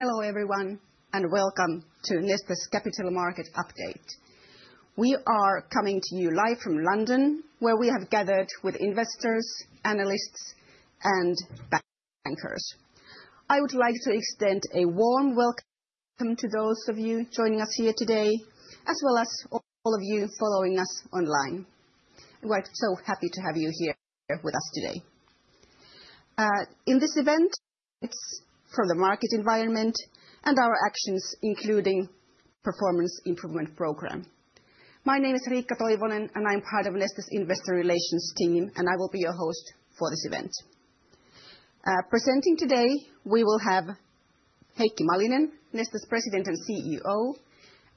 Hello everyone, and welcome to Neste's Capital Market Update. We are coming to you live from London, where we have gathered with investors, analysts, and bankers. I would like to extend a warm welcome to those of you joining us here today, as well as all of you following us online. We are so happy to have you here with us today. In this event, it's for the market environment and our actions, including the Performance Improvement Program. My name is Riikka Toivonen, and I'm part of Neste's Investor Relations team, and I will be your host for this event. Presenting today, we will have Heikki Malinen, Neste's President and CEO,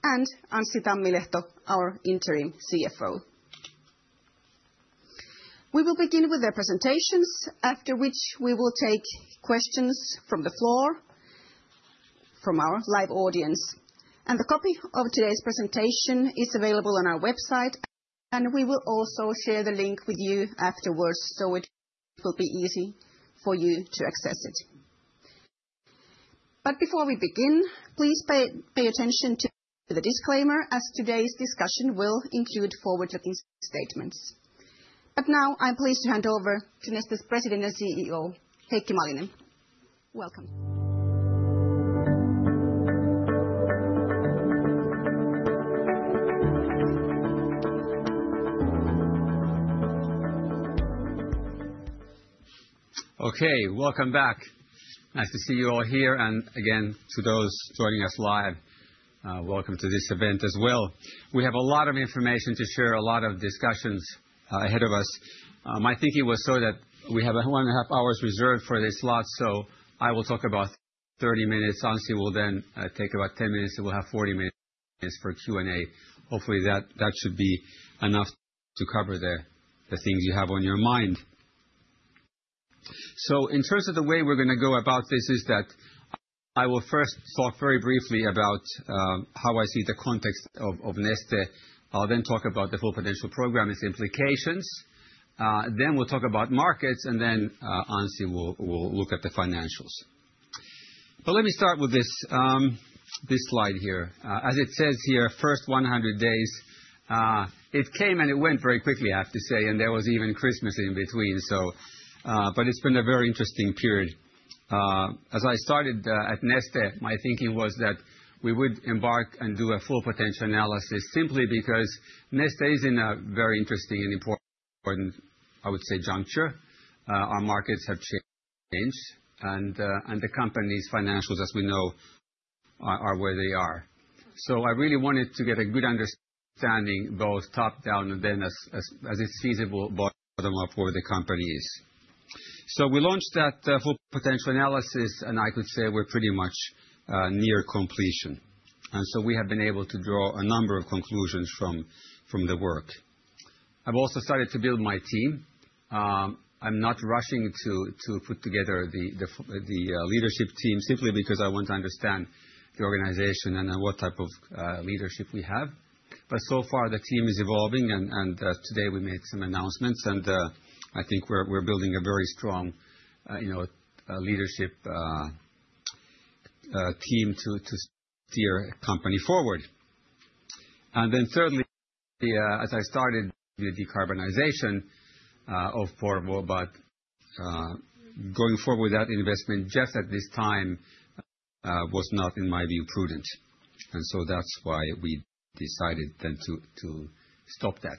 and Anssi Tammilehto, our Interim CFO. We will begin with their presentations, after which we will take questions from the floor, from our live audience. The copy of today's presentation is available on our website, and we will also share the link with you afterwards, so it will be easy for you to access it. Before we begin, please pay attention to the disclaimer, as today's discussion will include forward-looking statements. Now, I'm pleased to hand over to Neste's President and CEO, Heikki Malinen. Welcome. Okay, welcome back. Nice to see you all here. And again, to those joining us live, welcome to this event as well. We have a lot of information to share, a lot of discussions ahead of us. My thinking was so that we have one and a half hours reserved for this slot, so I will talk about 30 minutes. Anssi will then take about 10 minutes, and we'll have 40 minutes for Q&A. Hopefully, that should be enough to cover the things you have on your mind. So in terms of the way we're going to go about this, is that I will first talk very briefly about how I see the context of Neste. I'll then talk about the full financial program and its implications. Then we'll talk about markets, and then Anssi will look at the financials. But let me start with this slide here. As it says here, first 100 days, it came and it went very quickly, I have to say, and there was even Christmas in between, but it's been a very interesting period. As I started at Neste, my thinking was that we would embark and do a full potential analysis, simply because Neste is in a very interesting and important, I would say, juncture. Our markets have changed, and the company's financials, as we know, are where they are, so I really wanted to get a good understanding, both top-down and then as it's feasible bottom-up, where the company is, so we launched that full potential analysis, and I could say we're pretty much near completion, and so we have been able to draw a number of conclusions from the work. I've also started to build my team. I'm not rushing to put together the leadership team, simply because I want to understand the organization and what type of leadership we have. But so far, the team is evolving, and today we made some announcements, and I think we're building a very strong leadership team to steer the company forward. Then thirdly, as I started the decarbonization of Porvoo, but going forward with that investment, yet at this time was not, in my view, prudent. So that's why we decided then to stop that.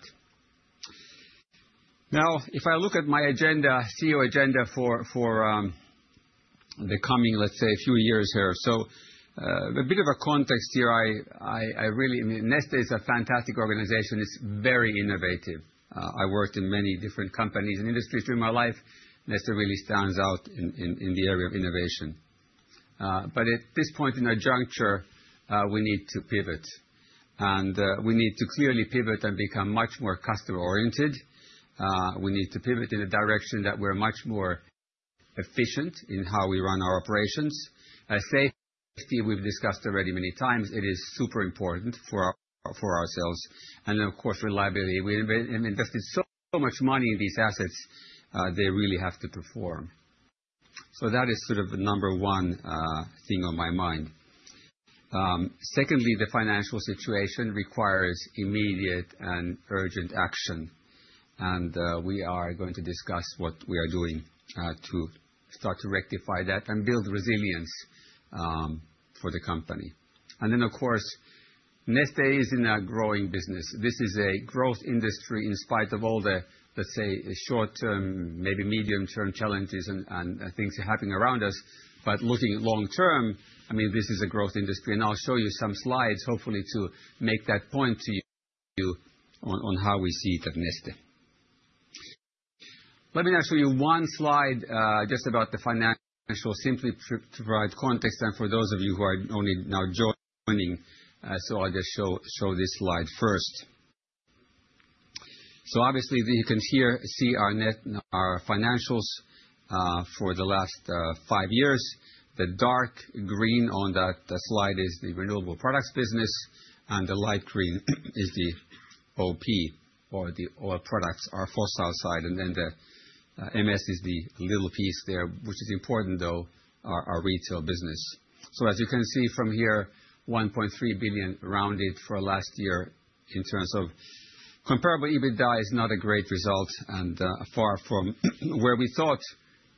Now, if I look at my CEO agenda for the coming, let's say, few years here, so a bit of a context here, I really mean Neste is a fantastic organization. It's very innovative. I worked in many different companies and industries during my life. Neste really stands out in the area of innovation. But at this point in our juncture, we need to pivot. And we need to clearly pivot and become much more customer-oriented. We need to pivot in a direction that we're much more efficient in how we run our operations. Safety, we've discussed already many times, it is super important for ourselves. And then, of course, reliability. We have invested so much money in these assets. They really have to perform. So that is sort of the number one thing on my mind. Secondly, the financial situation requires immediate and urgent action. And we are going to discuss what we are doing to start to rectify that and build resilience for the company. And then, of course, Neste is in a growing business. This is a growth industry in spite of all the, let's say, short-term, maybe medium-term challenges and things happening around us. But looking long-term, I mean, this is a growth industry. And I'll show you some slides, hopefully to make that point to you on how we see the Neste. Let me now show you one slide just about the financial, simply to provide context. And for those of you who are only now joining, so I'll just show this slide first. So obviously, you can see our financials for the last five years. The dark green on that slide is the Renewable Products business, and the light green is the OP, or the Oil Products, our fossil side. And then the M&S is the little piece there, which is important, though, our retail business. So as you can see from here, 1.3 billion rounded for last year in terms of comparable EBITDA is not a great result and far from where we thought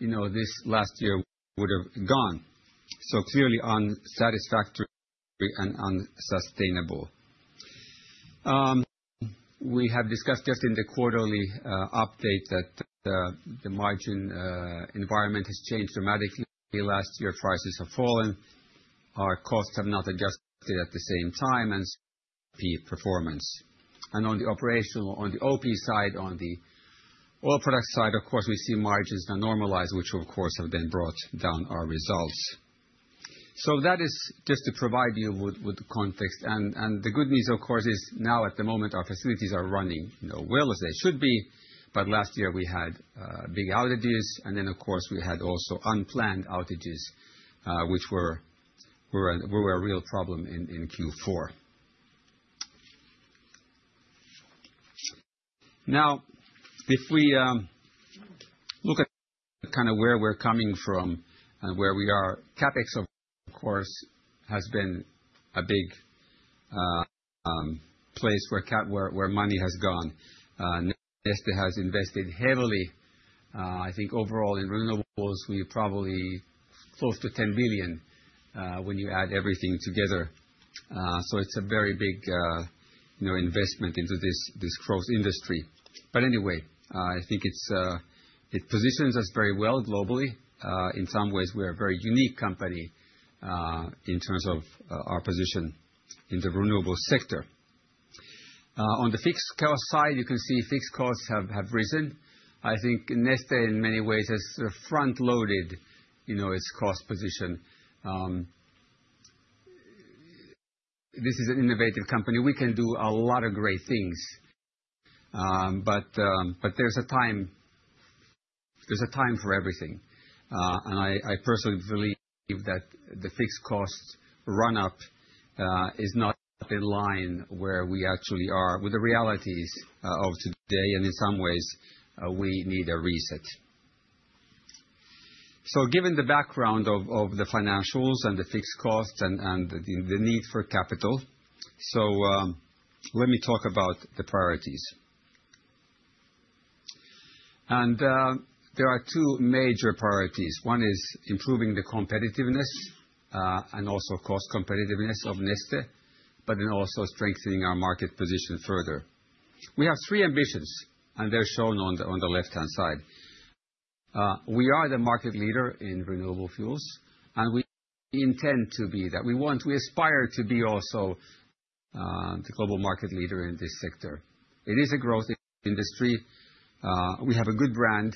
this last year would have gone. So clearly unsatisfactory and unsustainable. We have discussed just in the quarterly update that the margin environment has changed dramatically. Last year, prices have fallen. Our costs have not adjusted at the same time, and so poor performance. And on the operational, on the OP side, on the oil product side, of course, we see margins now normalized, which of course have then brought down our results. So that is just to provide you with context. And the good news, of course, is now at the moment our facilities are running well, as they should be. But last year we had big outages, and then of course we had also unplanned outages, which were a real problem in Q4. Now, if we look at kind of where we're coming from and where we are, CapEx, of course, has been a big place where money has gone. Neste has invested heavily. I think overall in renewables, we are probably close to 10 billion when you add everything together. So it's a very big investment into this growth industry. But anyway, I think it positions us very well globally. In some ways, we're a very unique company in terms of our position in the renewable sector. On the fixed cost side, you can see fixed costs have risen. I think Neste, in many ways, has front-loaded its cost position. This is an innovative company. We can do a lot of great things. But there's a time for everything. And I personally believe that the fixed cost run-up is not in line where we actually are with the realities of today. And in some ways, we need a reset. So given the background of the financials and the fixed costs and the need for capital, so let me talk about the priorities. And there are two major priorities. One is improving the competitiveness and also cost competitiveness of Neste, but then also strengthening our market position further. We have three ambitions, and they're shown on the left-hand side. We are the market leader in renewable fuels, and we intend to be that. We aspire to be also the global market leader in this sector. It is a growth industry. We have a good brand.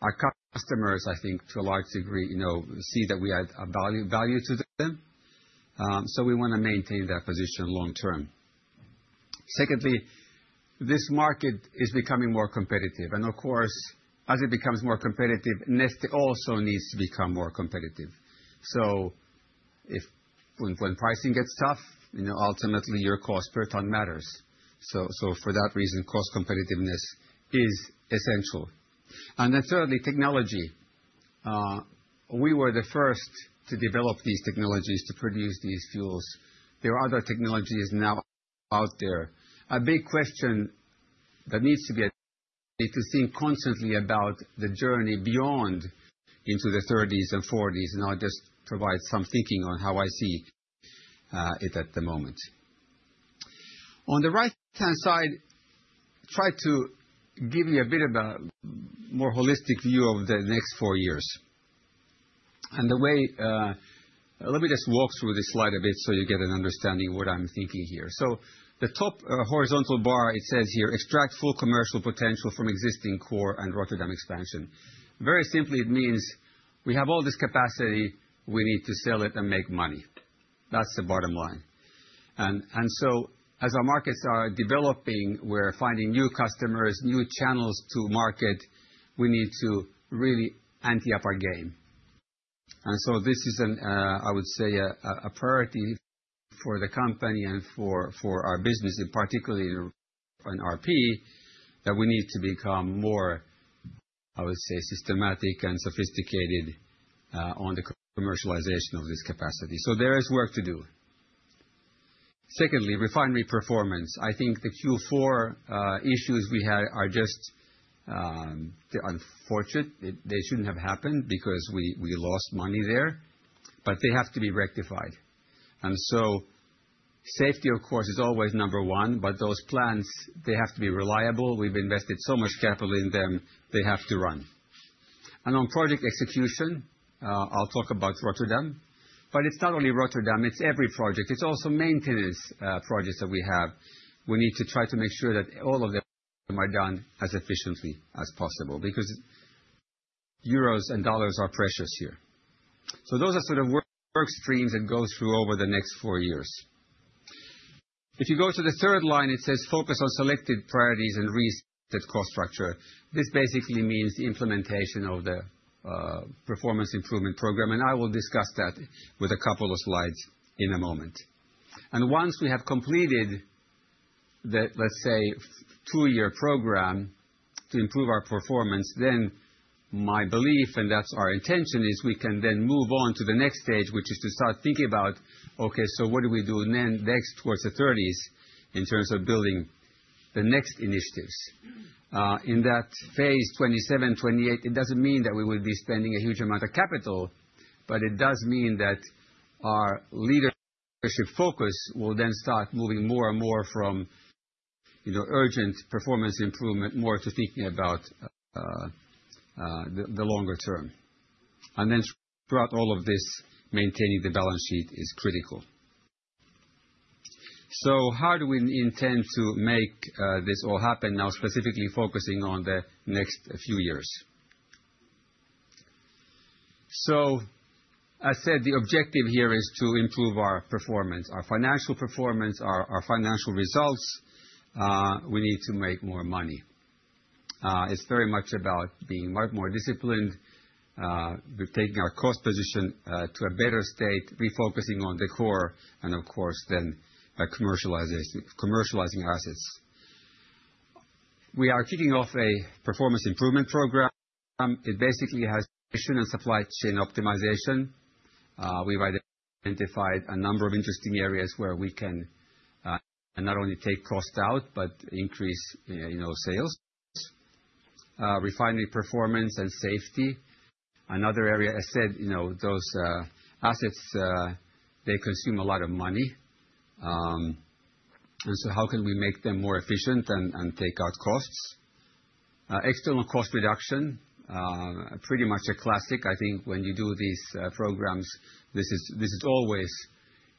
Our customers, I think to a large degree, see that we add value to them. So we want to maintain that position long-term. Secondly, this market is becoming more competitive. And of course, as it becomes more competitive, Neste also needs to become more competitive. So when pricing gets tough, ultimately your cost per ton matters. So for that reason, cost competitiveness is essential. And then thirdly, technology. We were the first to develop these technologies to produce these fuels. There are other technologies now out there. A big question that needs to be addressed is to think constantly about the journey beyond into the 30s and 40s. And I'll just provide some thinking on how I see it at the moment. On the right-hand side, I tried to give you a bit of a more holistic view of the next four years. And the way, let me just walk through this slide a bit so you get an understanding of what I'm thinking here. So the top horizontal bar, it says here, extract full commercial potential from existing core and Rotterdam expansion. Very simply, it means we have all this capacity. We need to sell it and make money. That's the bottom line. As our markets are developing, we're finding new customers, new channels to market. We need to really ante up our game. This is, I would say, a priority for the company and for our business, particularly in RP, that we need to become more, I would say, systematic and sophisticated on the commercialization of this capacity. So there is work to do. Secondly, refinery performance. I think the Q4 issues we had are just unfortunate. They shouldn't have happened because we lost money there, but they have to be rectified. Safety, of course, is always number one, but those plants, they have to be reliable. We've invested so much capital in them. They have to run. On project execution, I'll talk about Rotterdam. But it's not only Rotterdam. It's every project. It's also maintenance projects that we have. We need to try to make sure that all of them are done as efficiently as possible because euros and dollars are precious here. So those are sort of work streams that go through over the next four years. If you go to the third line, it says focus on selected priorities and reset cost structure. This basically means the implementation of the Performance Improvement Program. And I will discuss that with a couple of slides in a moment. And once we have completed the, let's say, two-year program to improve our performance, then my belief, and that's our intention, is we can then move on to the next stage, which is to start thinking about, okay, so what do we do next towards the 30s in terms of building the next initiatives. In that phase 2027, 2028, it doesn't mean that we will be spending a huge amount of capital, but it does mean that our leadership focus will then start moving more and more from urgent performance improvement to thinking about the longer term. And then throughout all of this, maintaining the balance sheet is critical. So how do we intend to make this all happen now, specifically focusing on the next few years? So I said the objective here is to improve our performance, our financial performance, our financial results. We need to make more money. It's very much about being more disciplined, taking our cost position to a better state, refocusing on the core, and of course, then commercializing our assets. We are kicking off a Performance Improvement Program. It basically has commercial and supply chain optimization. We've identified a number of interesting areas where we can not only take cost out, but increase sales, refinery performance and safety. Another area, as I said, those assets, they consume a lot of money. And so how can we make them more efficient and take out costs? External cost reduction, pretty much a classic. I think when you do these programs, this is always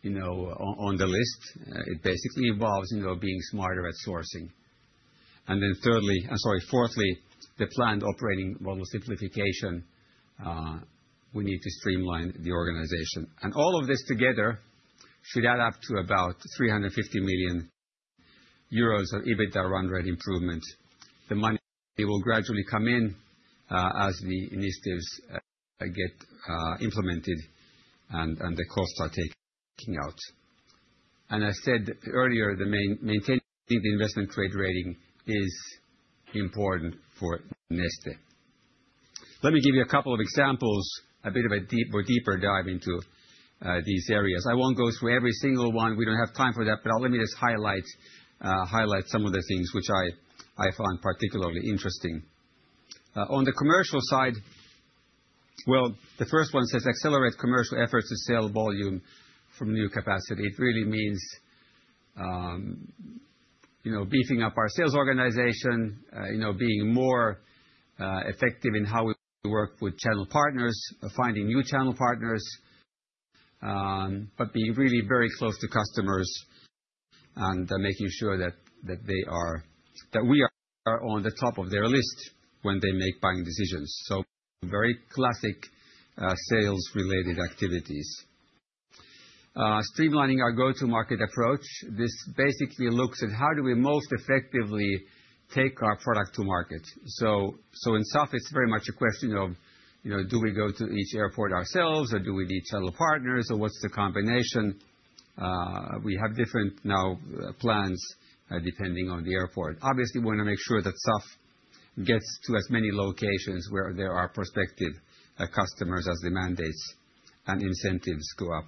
on the list. It basically involves being smarter at sourcing. And then thirdly, I'm sorry, fourthly, the planned operating model simplification. We need to streamline the organization. And all of this together should add up to about 350 million euros of EBITDA run-rate improvement. The money will gradually come in as the initiatives get implemented and the costs are taken out. And I said earlier, maintaining the investment grade rating is important for Neste. Let me give you a couple of examples, a bit of a deeper dive into these areas. I won't go through every single one. We don't have time for that, but let me just highlight some of the things which I find particularly interesting. On the commercial side, well, the first one says accelerate commercial efforts to sell volume from new capacity. It really means beefing up our sales organization, being more effective in how we work with channel partners, finding new channel partners, but being really very close to customers and making sure that we are on the top of their list when they make buying decisions. So very classic sales-related activities. Streamlining our go-to-market approach. This basically looks at how do we most effectively take our product to market. So in SAF, it's very much a question of do we go to each airport ourselves, or do we need channel partners, or what's the combination? We now have different plans depending on the airport. Obviously, we want to make sure that SAF gets to as many locations where there are prospective customers as the mandates and incentives go up.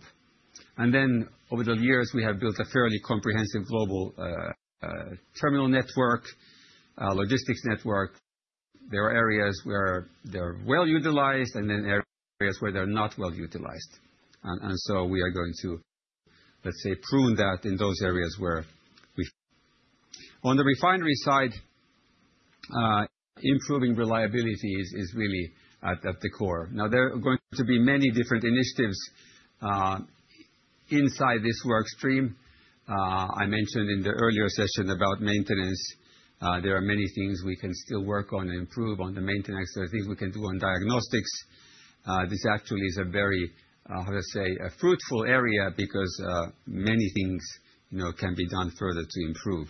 And then over the years, we have built a fairly comprehensive global terminal network, logistics network. There are areas where they're well utilized and then areas where they're not well utilized. And so we are going to, let's say, prune that in those areas where we. On the refinery side, improving reliability is really at the core. Now, there are going to be many different initiatives inside this work stream. I mentioned in the earlier session about maintenance. There are many things we can still work on and improve on the maintenance. There are things we can do on diagnostics. This actually is a very, how to say, a fruitful area because many things can be done further to improve,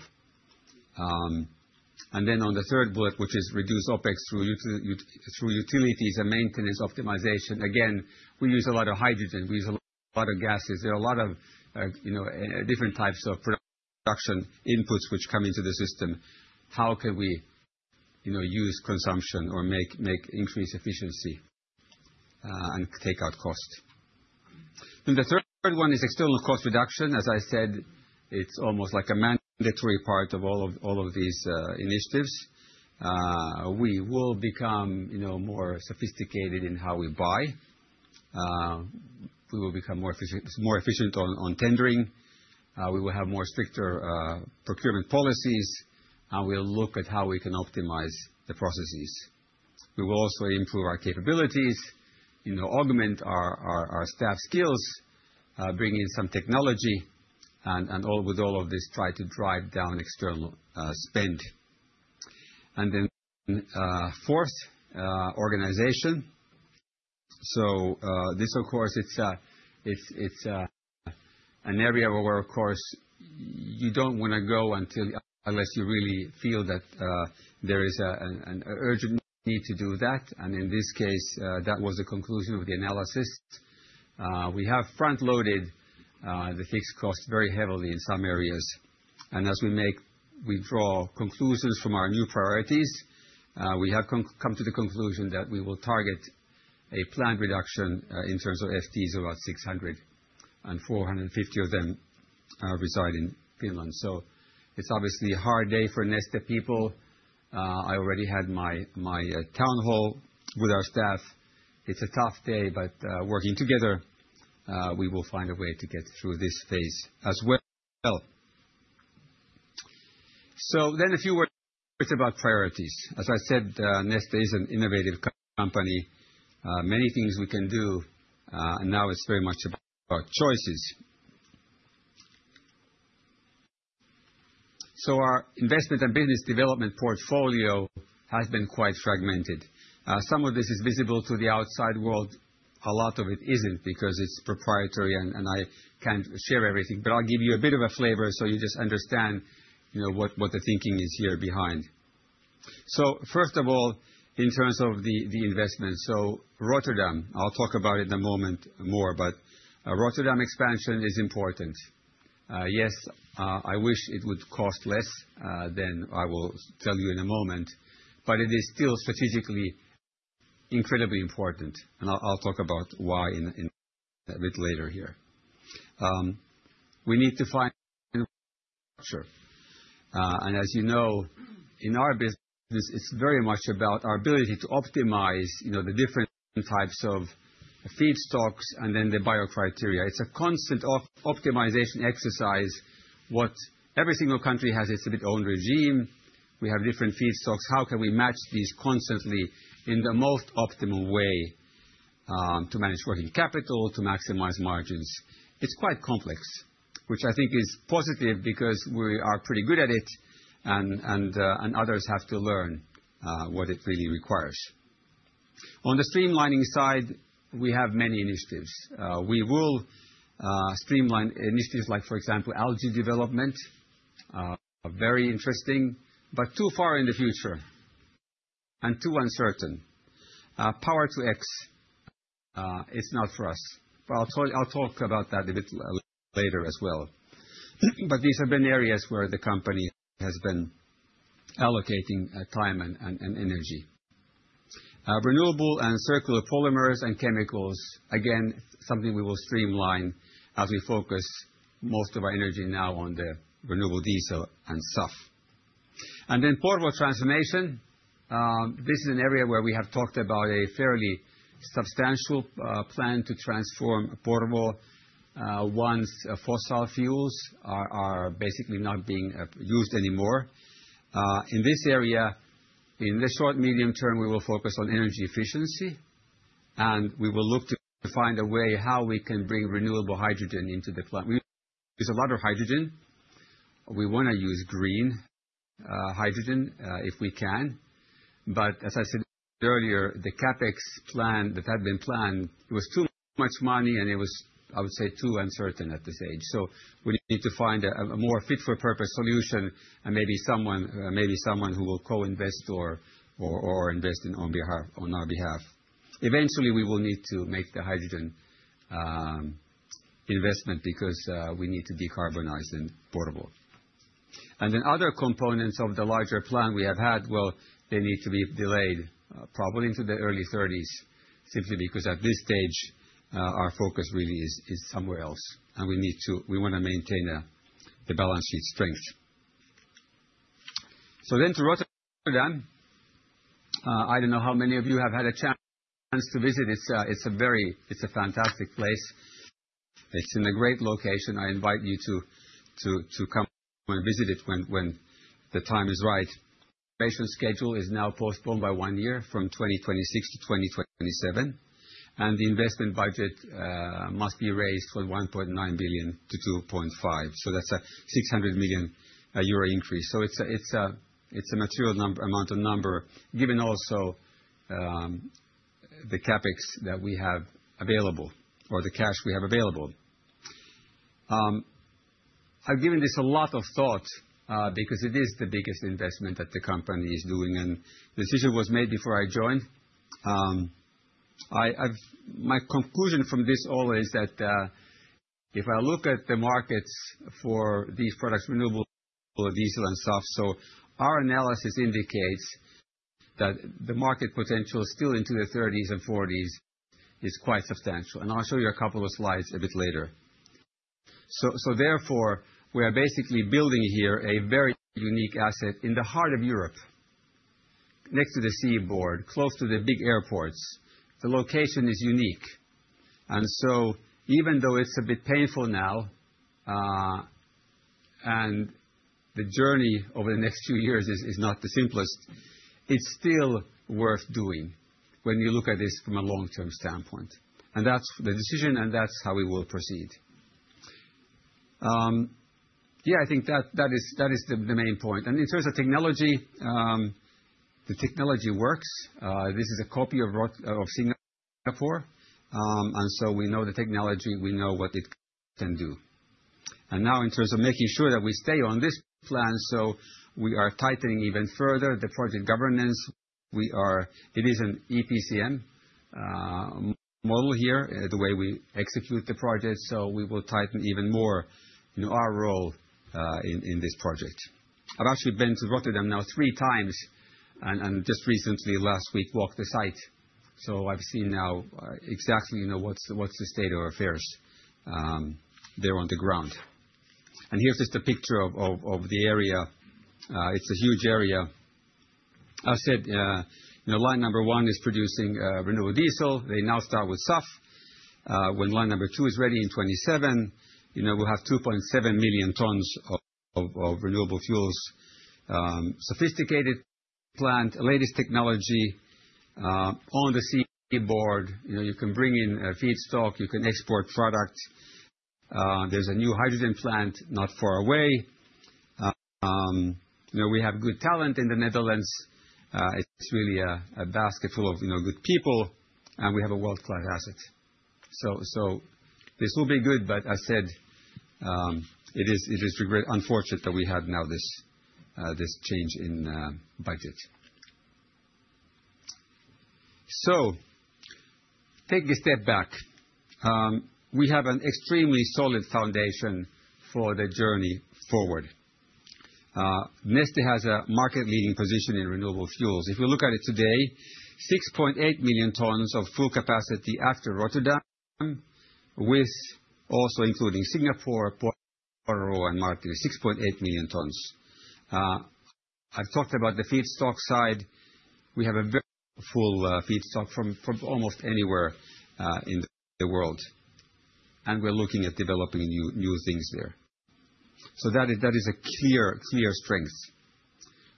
and then on the third bullet, which is reduce OpEx through utilities and maintenance optimization. Again, we use a lot of hydrogen. We use a lot of gases. There are a lot of different types of production inputs which come into the system. How can we use consumption or increase efficiency and take out cost? Then the third one is external cost reduction. As I said, it's almost like a mandatory part of all of these initiatives. We will become more sophisticated in how we buy. We will become more efficient on tendering. We will have more stricter procurement policies, and we'll look at how we can optimize the processes. We will also improve our capabilities, augment our staff skills, bring in some technology, and with all of this, try to drive down external spend, and then fourth, organization, so this, of course, it's an area where, of course, you don't want to go unless you really feel that there is an urgent need to do that, and in this case, that was the conclusion of the analysis. We have front-loaded the fixed cost very heavily in some areas, and as we draw conclusions from our new priorities, we have come to the conclusion that we will target a planned reduction in terms of FTEs of about 600, and 450 of them reside in Finland, so it's obviously a hard day for Neste people. I already had my town hall with our staff. It's a tough day, but working together, we will find a way to get through this phase as well. So then a few words about priorities. As I said, Neste is an innovative company. Many things we can do. Now it's very much about choices. So our investment and business development portfolio has been quite fragmented. Some of this is visible to the outside world. A lot of it isn't because it's proprietary, and I can't share everything. But I'll give you a bit of a flavor so you just understand what the thinking is here behind. So first of all, in terms of the investment, so Rotterdam, I'll talk about it in a moment more, but Rotterdam expansion is important. Yes, I wish it would cost less than I will tell you in a moment, but it is still strategically incredibly important. I'll talk about why a bit later here. We need to find structure. As you know, in our business, it's very much about our ability to optimize the different types of feedstocks and then the bio criteria. It's a constant optimization exercise. What every single country has, it's its own regime. We have different feedstocks. How can we match these constantly in the most optimal way to manage working capital, to maximize margins? It's quite complex, which I think is positive because we are pretty good at it, and others have to learn what it really requires. On the streamlining side, we have many initiatives. We will streamline initiatives like, for example, algae development. Very interesting, but too far in the future and too uncertain. Power-to-X, it's not for us. I'll talk about that a bit later as well. But these have been areas where the company has been allocating time and energy. Renewable and circular polymers and chemicals, again, something we will streamline as we focus most of our energy now on the renewable diesel and SAF. And then Porvoo transformation. This is an area where we have talked about a fairly substantial plan to transform Porvoo once of fossil fuels are basically not being used anymore. In this area, in the short-medium term, we will focus on energy efficiency, and we will look to find a way how we can bring renewable hydrogen into the plant. We use a lot of hydrogen. We want to use green hydrogen if we can. But as I said earlier, the CapEx plan that had been planned, it was too much money, and it was, I would say, too uncertain at this stage. So we need to find a more fit-for-purpose solution and maybe someone who will co-invest or invest on our behalf. Eventually, we will need to make the hydrogen investment because we need to decarbonize in Porvoo. And then other components of the larger plan we have had, well, they need to be delayed probably into the early 30s simply because at this stage, our focus really is somewhere else, and we want to maintain the balance sheet strength. So then to Rotterdam, I don't know how many of you have had a chance to visit. It's a fantastic place. It's in a great location. I invite you to come and visit it when the time is right. The schedule is now postponed by one year from 2026 to 2027. And the investment budget must be raised from 1.9 billion to 2.5 billion. So that's a 600 million euro increase. So it's a material amount of money given also the CapEx that we have available or the cash we have available. I've given this a lot of thought because it is the biggest investment that the company is doing, and the decision was made before I joined. My conclusion from this all is that if I look at the markets for these products, renewable diesel and SAF, so our analysis indicates that the market potential still into the 30s and 40s is quite substantial, and I'll show you a couple of slides a bit later. Therefore, we are basically building here a very unique asset in the heart of Europe, next to the seaboard, close to the big airports. The location is unique. And so even though it's a bit painful now, and the journey over the next few years is not the simplest, it's still worth doing when you look at this from a long-term standpoint. And that's the decision, and that's how we will proceed. Yeah, I think that is the main point. And in terms of technology, the technology works. This is a copy of Singapore. And so we know the technology. We know what it can do. And now in terms of making sure that we stay on this plan, so we are tightening even further the project governance. It is an EPCM model here, the way we execute the project. So we will tighten even more our role in this project. I've actually been to Rotterdam now three times and just recently, last week, walked the site. I've seen now exactly what's the state of affairs there on the ground. And here's just a picture of the area. It's a huge area. As I said, line number one is producing renewable diesel. They now start with SAF. When line number two is ready in 2027, we'll have 2.7 million tons of renewable fuels. Sophisticated plant, latest technology on the seaboard. You can bring in feedstock. You can export product. There's a new hydrogen plant not far away. We have good talent in the Netherlands. It's really a basket full of good people, and we have a world-class asset. So this will be good, but as I said, it is unfortunate that we have now this change in budget. So take a step back. We have an extremely solid foundation for the journey forward. Neste has a market-leading position in renewable fuels. If we look at it today, 6.8 million tons of full capacity after Rotterdam, with also including Singapore, Porvoo, and Martinez, 6.8 million tons. I've talked about the feedstock side. We have a full feedstock from almost anywhere in the world, and we're looking at developing new things there. So that is a clear strength.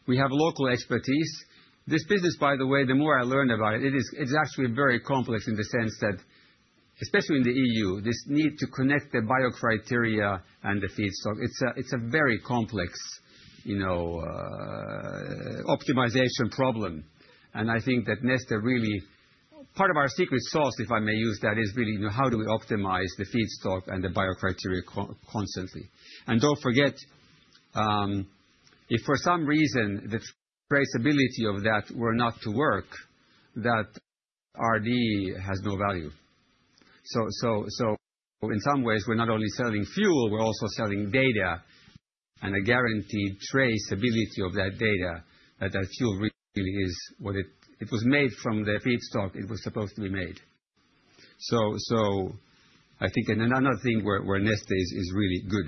We have local expertise. This business, by the way, the more I learn about it, it's actually very complex in the sense that, especially in the EU, this need to connect the biocriteria and the feedstock, it's a very complex optimization problem. And I think that Neste really part of our secret sauce, if I may use that, is really how do we optimize the feedstock and the bio criteria constantly. And don't forget, if for some reason the traceability of that were not to work, that RD has no value. So, in some ways, we're not only selling fuel, we're also selling data. And a guaranteed traceability of that data, that that fuel really is what it was made from the feedstock it was supposed to be made. So I think another thing where Neste is really good.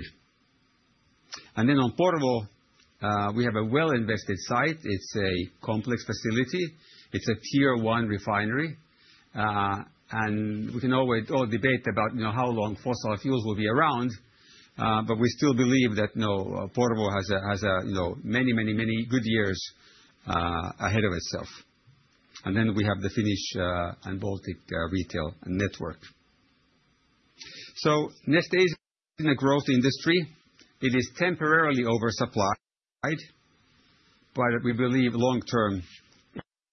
And then on Porvoo, we have a well-invested site. It's a complex facility. It's a Tier 1 refinery. And we can all debate about how long fossil fuels will be around, but we still believe that Porvoo has many, many, many good years ahead of itself. And then we have the Finnish and Baltic retail network. So Neste is in a growth industry. It is temporarily oversupplied, but we believe long-term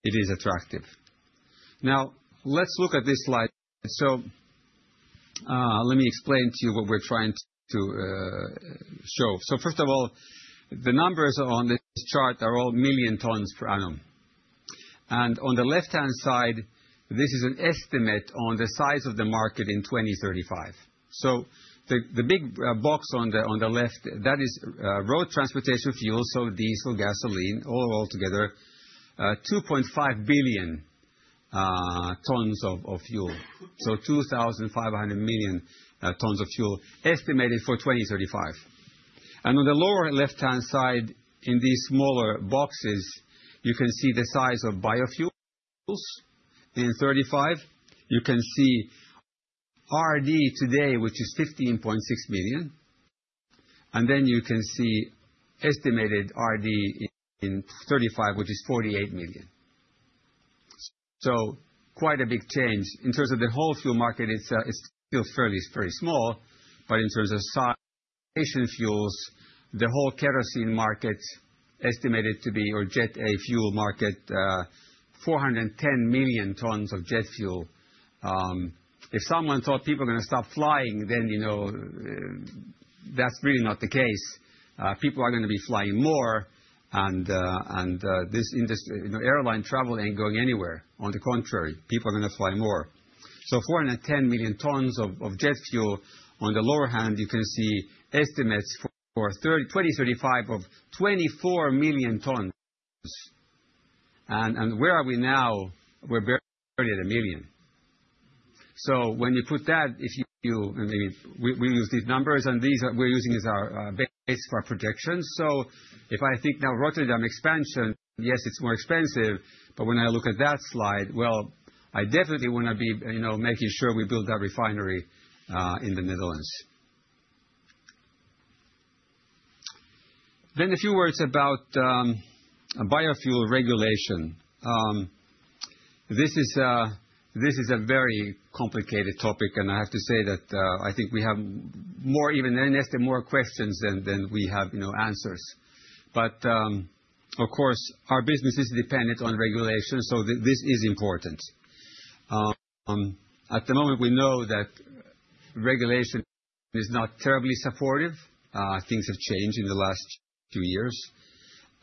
it is attractive. Now, let's look at this slide. So let me explain to you what we're trying to show. First of all, the numbers on this chart are all million tons per annum. On the left-hand side, this is an estimate on the size of the market in 2035. The big box on the left, that is road transportation fuels, so diesel, gasoline, all together, 2.5 billion tons of fuel. So 2,500 million tons of fuel estimated for 2035. On the lower left-hand side, in these smaller boxes, you can see the size of biofuels in 2035. You can see RD today, which is 15.6 million. Then you can see estimated RD in 2035, which is 48 million. So quite a big change. In terms of the whole fuel market, it's still fairly small, but in terms of fuels, the whole kerosene market estimated to be, or jet fuel market, 410 million tons of jet fuel. If someone thought people are going to stop flying, then that's really not the case. People are going to be flying more, and this airline travel ain't going anywhere. On the contrary, people are going to fly more. 410 million tons of jet fuel. On the lower hand, you can see estimates for 2035 of 24 million tons. Where are we now? We're barely at a million. When you put that, if you and we use these numbers, and these we're using as our base for our projections. If I think now Rotterdam expansion, yes, it's more expensive, but when I look at that slide, well, I definitely want to be making sure we build that refinery in the Netherlands. Then a few words about biofuel regulation. This is a very complicated topic, and I have to say that I think we have more even Neste, more questions than we have answers. But of course, our business is dependent on regulation, so this is important. At the moment, we know that regulation is not terribly supportive. Things have changed in the last few years.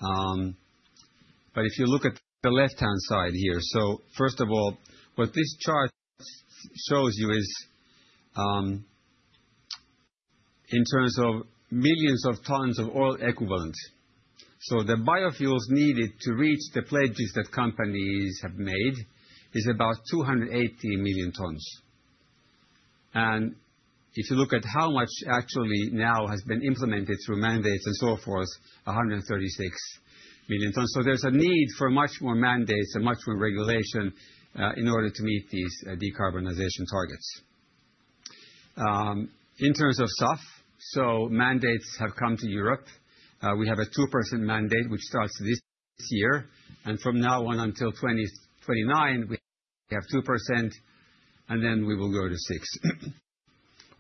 But if you look at the left-hand side here, so first of all, what this chart shows you is in terms of millions of tons of oil equivalent. So the biofuels needed to reach the pledges that companies have made is about 280 million tons. And if you look at how much actually now has been implemented through mandates and so forth, 136 million tons. So there's a need for much more mandates and much more regulation in order to meet these decarbonization targets. In terms of SAF, so mandates have come to Europe. We have a 2% mandate, which starts this year, and from now on until 2029, we have 2%, and then we will go to 6%.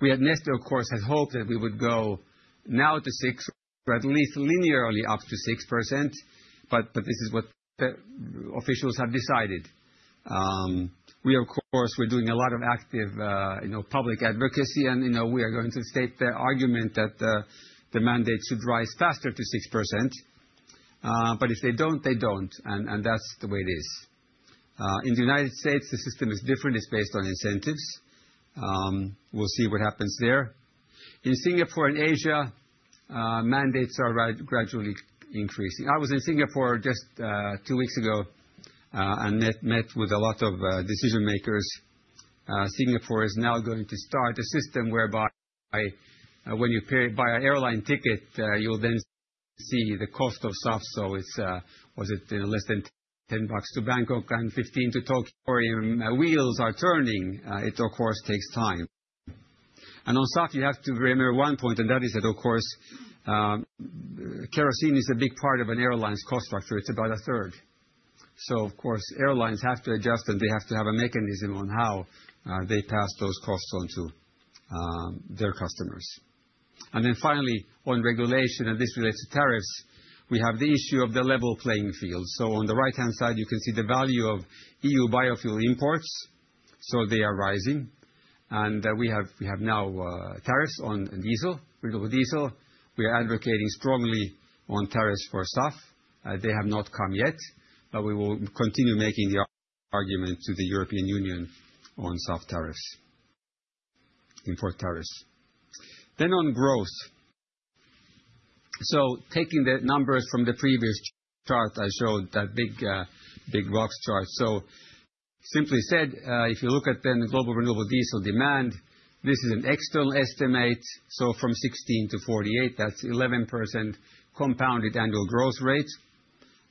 We at Neste, of course, had hoped that we would go now to 6% or at least linearly up to 6%, but this is what officials have decided. We, of course, were doing a lot of active public advocacy, and we are going to state the argument that the mandate should rise faster to 6%. But if they don't, they don't, and that's the way it is. In the United States, the system is different. It's based on incentives. We'll see what happens there. In Singapore and Asia, mandates are gradually increasing. I was in Singapore just two weeks ago and met with a lot of decision-makers. Singapore is now going to start a system whereby when you buy an airline ticket, you'll then see the cost of SAF. So was it less than $10 to Bangkok and $15 to Tokyo? Wheels are turning. It, of course, takes time. And on SAF, you have to remember one point, and that is that, of course, kerosene is a big part of an airline's cost structure. It's about a third. So, of course, airlines have to adjust, and they have to have a mechanism on how they pass those costs on to their customers. And then finally, on regulation, and this relates to tariffs, we have the issue of the level playing field. So on the right-hand side, you can see the value of EU biofuel imports. So they are rising. And we have now tariffs on diesel. We are advocating strongly on tariffs for SAF. They have not come yet, but we will continue making the argument to the European Union on SAF tariffs, import tariffs, then on growth, so taking the numbers from the previous chart I showed, that big box chart, so simply said, if you look at the global renewable diesel demand, this is an external estimate, so from 16-48, that's 11% compounded annual growth rate.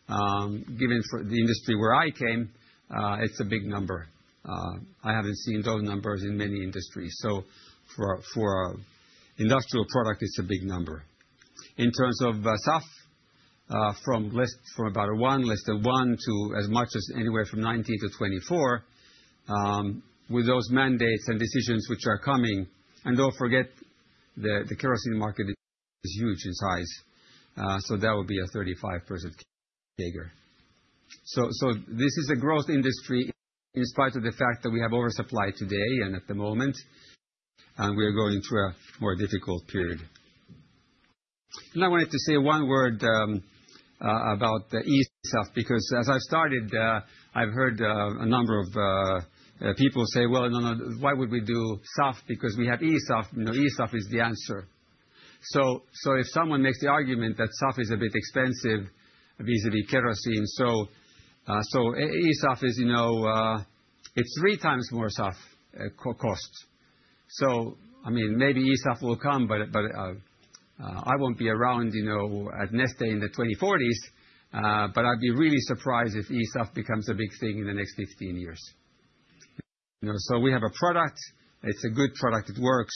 Given for the industry where I came, it's a big number. I haven't seen those numbers in many industries, so for industrial product, it's a big number. In terms of SAF, from about a one, less than one, to as much as anywhere from 19-24, with those mandates and decisions which are coming, and don't forget, the kerosene market is huge in size, so that would be a 35% figure. So this is a growth industry in spite of the fact that we have oversupply today and at the moment, and we are going through a more difficult period. And I wanted to say one word about the eSAF because as I've started, I've heard a number of people say, "Well, why would we do SAF? Because we have eSAF." eSAF is the answer. So if someone makes the argument that SAF is a bit expensive vis-à-vis kerosene, so eSAF is three times more SAF cost. So I mean, maybe eSAF will come, but I won't be around at Neste in the 2040s, but I'd be really surprised if eSAF becomes a big thing in the next 15 years. So we have a product. It's a good product. It works,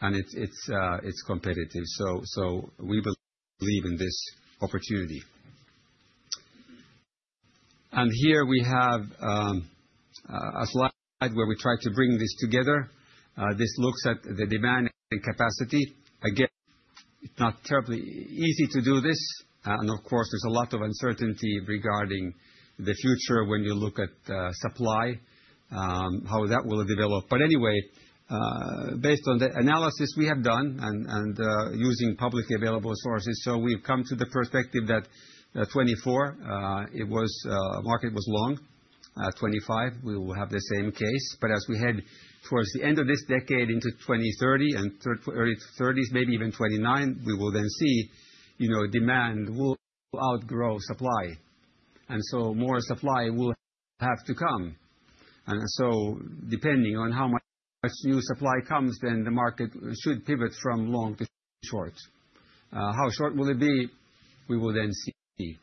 and it's competitive. So we believe in this opportunity. Here we have a slide where we try to bring this together. This looks at the demand and capacity. Again, it's not terribly easy to do this. Of course, there's a lot of uncertainty regarding the future when you look at supply, how that will develop. Anyway, based on the analysis we have done and using publicly available sources, so we've come to the perspective that 2024, the market was long. 2025, we will have the same case. As we head towards the end of this decade into 2030 and early 2030s, maybe even 2029, we will then see demand will outgrow supply. So more supply will have to come. So depending on how much new supply comes, then the market should pivot from long to short. How short will it be? We will then see.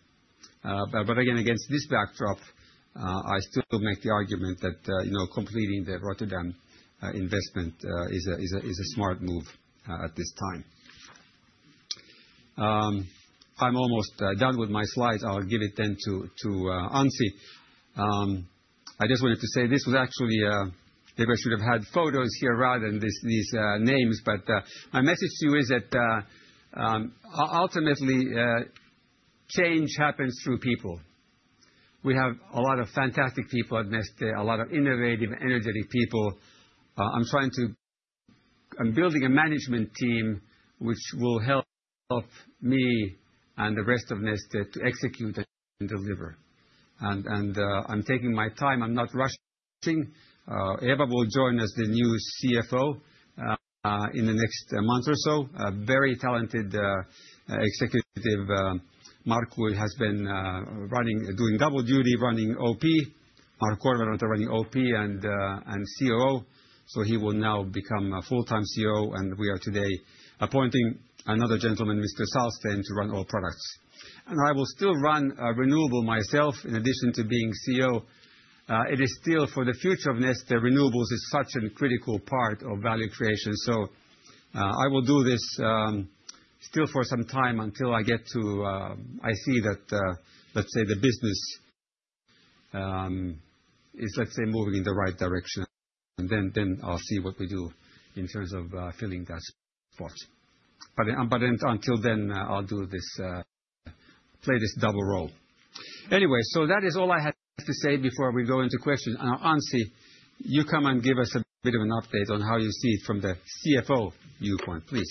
But again, against this backdrop, I still make the argument that completing the Rotterdam investment is a smart move at this time. I'm almost done with my slides. I'll give it then to Anssi. I just wanted to say this was actually maybe I should have had photos here rather than these names, but my message to you is that ultimately, change happens through people. We have a lot of fantastic people at Neste, a lot of innovative, energetic people. I'm building a management team which will help me and the rest of Neste to execute and deliver. And I'm taking my time. I'm not rushing. Eva will join us, the new CFO, in the next month or so. A very talented executive, Markku has been doing double duty, running OP. Markku Korvenranta running OP and COO. He will now become a full-time COO, and we are today appointing another gentleman, Mr. Sahlstein, to run Oil Products. I will still run renewable myself in addition to being COO. It is still for the future of Neste; renewables is such a critical part of value creation. I will do this still for some time until I get to, I see that, let's say, the business is, let's say, moving in the right direction. Then I'll see what we do in terms of filling that spot. But until then, I'll play this double role. Anyway, that is all I had to say before we go into questions. Anssi, you come and give us a bit of an update on how you see it from the CFO viewpoint, please.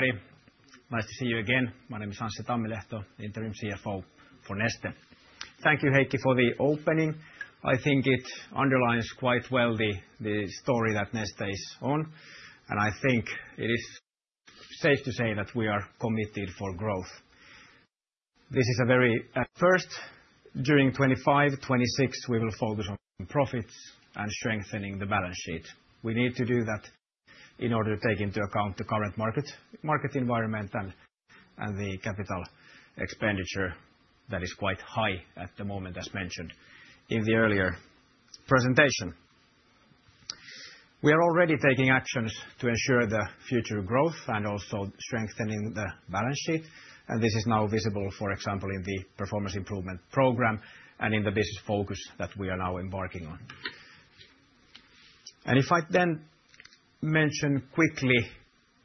Hello everybody. Nice to see you again. My name is Anssi Tammilehto. Interim CFO for Neste. Thank you, Heikki, for the opening. I think it underlines quite well the story that Neste is on, and I think it is safe to say that we are committed for growth. First, during 2025, 2026, we will focus on profits and strengthening the balance sheet. We need to do that in order to take into account the current market environment and the capital expenditure that is quite high at the moment, as mentioned in the earlier presentation. We are already taking actions to ensure the future growth and also strengthening the balance sheet, and this is now visible, for example, in the Performance Improvement Program and in the business focus that we are now embarking on. If I then mention quickly,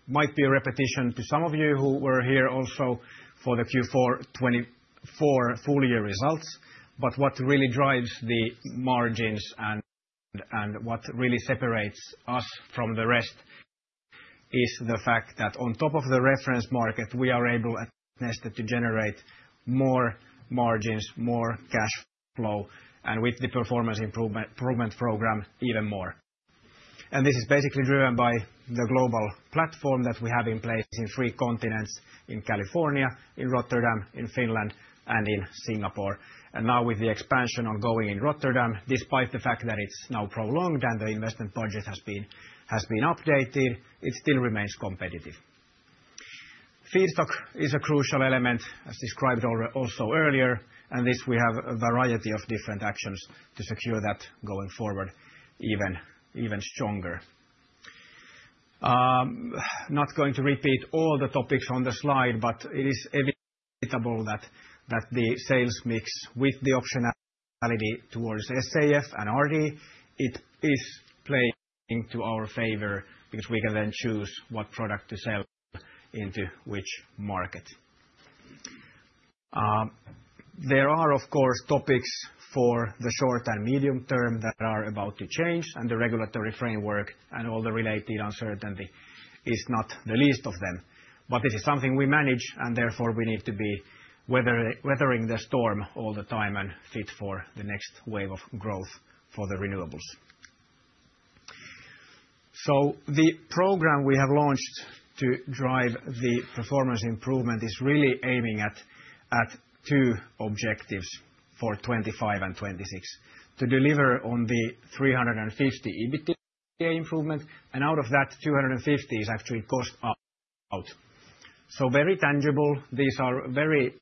might be a repetition to some of you who were here also for the Q4 2024 full year results, but what really drives the margins and what really separates us from the rest is the fact that on top of the reference market, we are able at Neste to generate more margins, more cash flow, and with the Performance Improvement Program, even more. This is basically driven by the global platform that we have in place in three continents: in California, in Rotterdam, in Finland, and in Singapore. Now with the expansion ongoing in Rotterdam, despite the fact that it's now prolonged and the investment budget has been updated, it still remains competitive. Feedstock is a crucial element, as described also earlier, and this we have a variety of different actions to secure that going forward, even stronger. Not going to repeat all the topics on the slide, but it is evident that the sales mix with the optionality towards SAF and RD, it is playing to our favor because we can then choose what product to sell into which market. There are, of course, topics for the short and medium term that are about to change, and the regulatory framework and all the related uncertainty is not the least of them. But this is something we manage, and therefore we need to be weathering the storm all the time and fit for the next wave of growth for the renewables. So the program we have launched to drive the performance improvement is really aiming at two objectives for 2025 and 2026: to deliver on the 350 EBITDA improvement, and out of that, 250 is actually cost out. So very tangible. These are very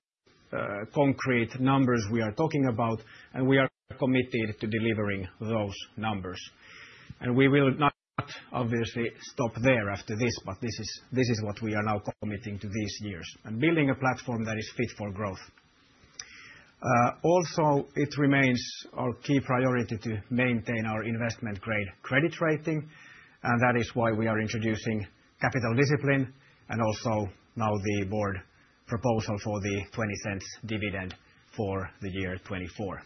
concrete numbers we are talking about, and we are committed to delivering those numbers. And we will not obviously stop there after this, but this is what we are now committing to these years and building a platform that is fit for growth. Also, it remains our key priority to maintain our investment-grade credit rating, and that is why we are introducing capital discipline, and also now the board proposal for the 0.20 dividend for the year 2024.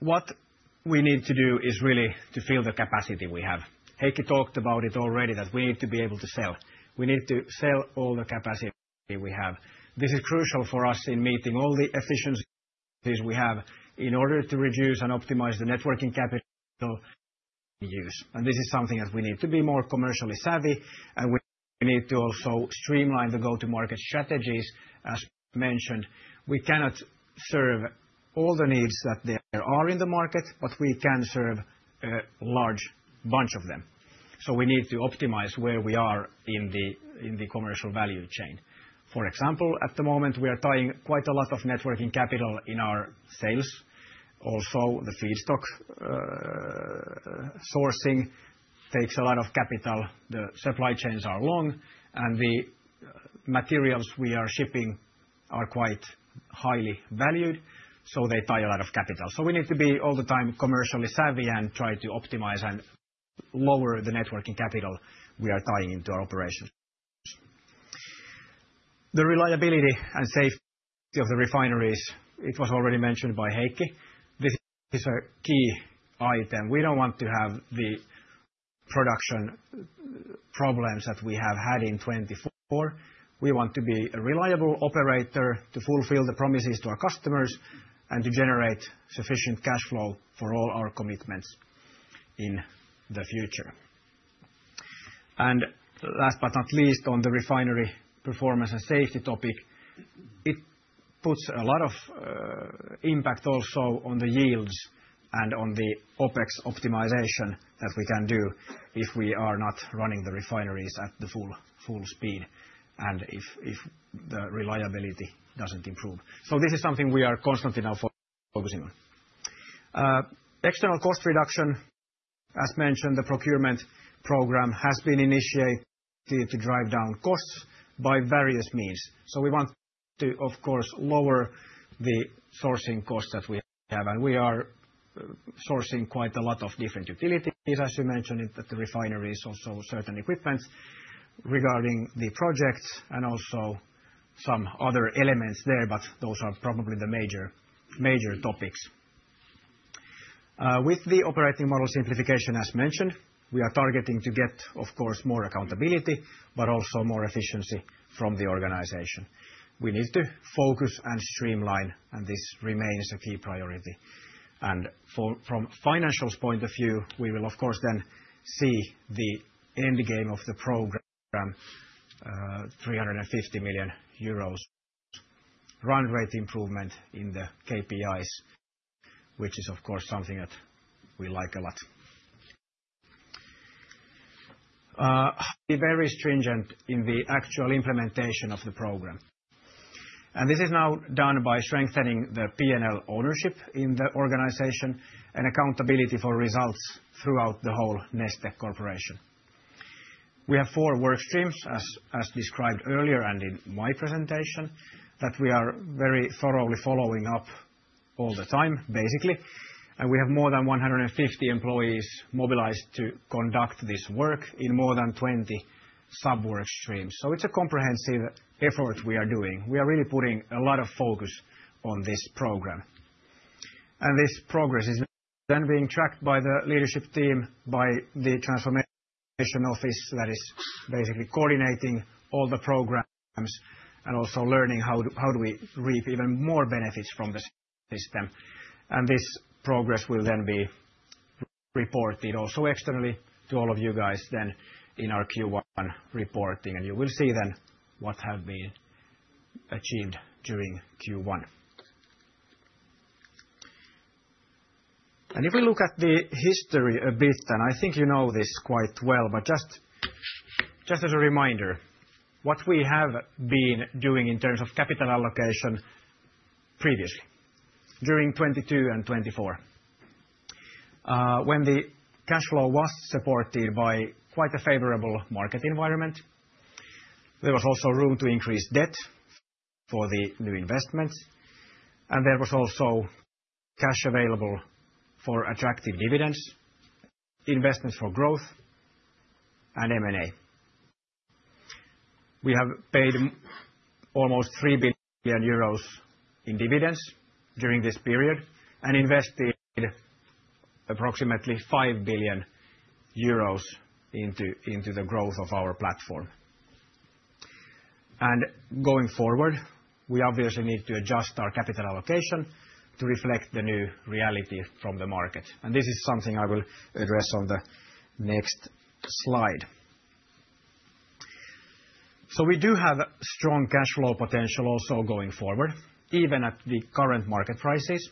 What we need to do is really to fill the capacity we have. Heikki talked about it already that we need to be able to sell. We need to sell all the capacity we have. This is crucial for us in meeting all the efficiencies we have in order to reduce and optimize the net working capital use. This is something that we need to be more commercially savvy, and we need to also streamline the go-to-market strategies, as mentioned. We cannot serve all the needs that there are in the market, but we can serve a large bunch of them. So we need to optimize where we are in the commercial value chain. For example, at the moment, we are tying quite a lot of working capital in our sales. Also, the feedstock sourcing takes a lot of capital. The supply chains are long, and the materials we are shipping are quite highly valued, so they tie a lot of capital. So we need to be all the time commercially savvy and try to optimize and lower the working capital we are tying into our operations. The reliability and safety of the refineries, it was already mentioned by Heikki. This is a key item. We don't want to have the production problems that we have had in 2024. We want to be a reliable operator to fulfill the promises to our customers and to generate sufficient cash flow for all our commitments in the future. And last but not least, on the refinery performance and safety topic, it puts a lot of impact also on the yields and on the OpEx optimization that we can do if we are not running the refineries at the full speed and if the reliability doesn't improve. So this is something we are constantly now focusing on. External cost reduction, as mentioned, the procurement program has been initiated to drive down costs by various means. So we want to, of course, lower the sourcing costs that we have, and we are sourcing quite a lot of different utilities, as you mentioned, at the refineries, also certain equipment regarding the projects and also some other elements there, but those are probably the major topics. With the operating model simplification, as mentioned, we are targeting to get, of course, more accountability, but also more efficiency from the organization. We need to focus and streamline, and this remains a key priority. And from financials point of view, we will, of course, then see the end game of the program, 350 million euros run rate improvement in the KPIs, which is, of course, something that we like a lot. Be very stringent in the actual implementation of the program. And this is now done by strengthening the P&L ownership in the organization and accountability for results throughout the whole Neste Corporation. We have four work streams, as described earlier and in my presentation, that we are very thoroughly following up all the time, basically. And we have more than 150 employees mobilized to conduct this work in more than 20 sub-work streams. So it's a comprehensive effort we are doing. We are really putting a lot of focus on this program. And this progress is then being tracked by the leadership team, by the transformation office that is basically coordinating all the programs and also learning how do we reap even more benefits from the system. And this progress will then be reported also externally to all of you guys then in our Q1 reporting, and you will see then what has been achieved during Q1. If we look at the history a bit, and I think you know this quite well, but just as a reminder, what we have been doing in terms of capital allocation previously during 2022 and 2024, when the cash flow was supported by quite a favorable market environment, there was also room to increase debt for the new investments, and there was also cash available for attractive dividends, investments for growth, and M&A. We have paid almost 3 billion euros in dividends during this period and invested approximately 5 billion euros into the growth of our platform. Going forward, we obviously need to adjust our capital allocation to reflect the new reality from the market. This is something I will address on the next slide. We do have strong cash flow potential also going forward, even at the current market prices.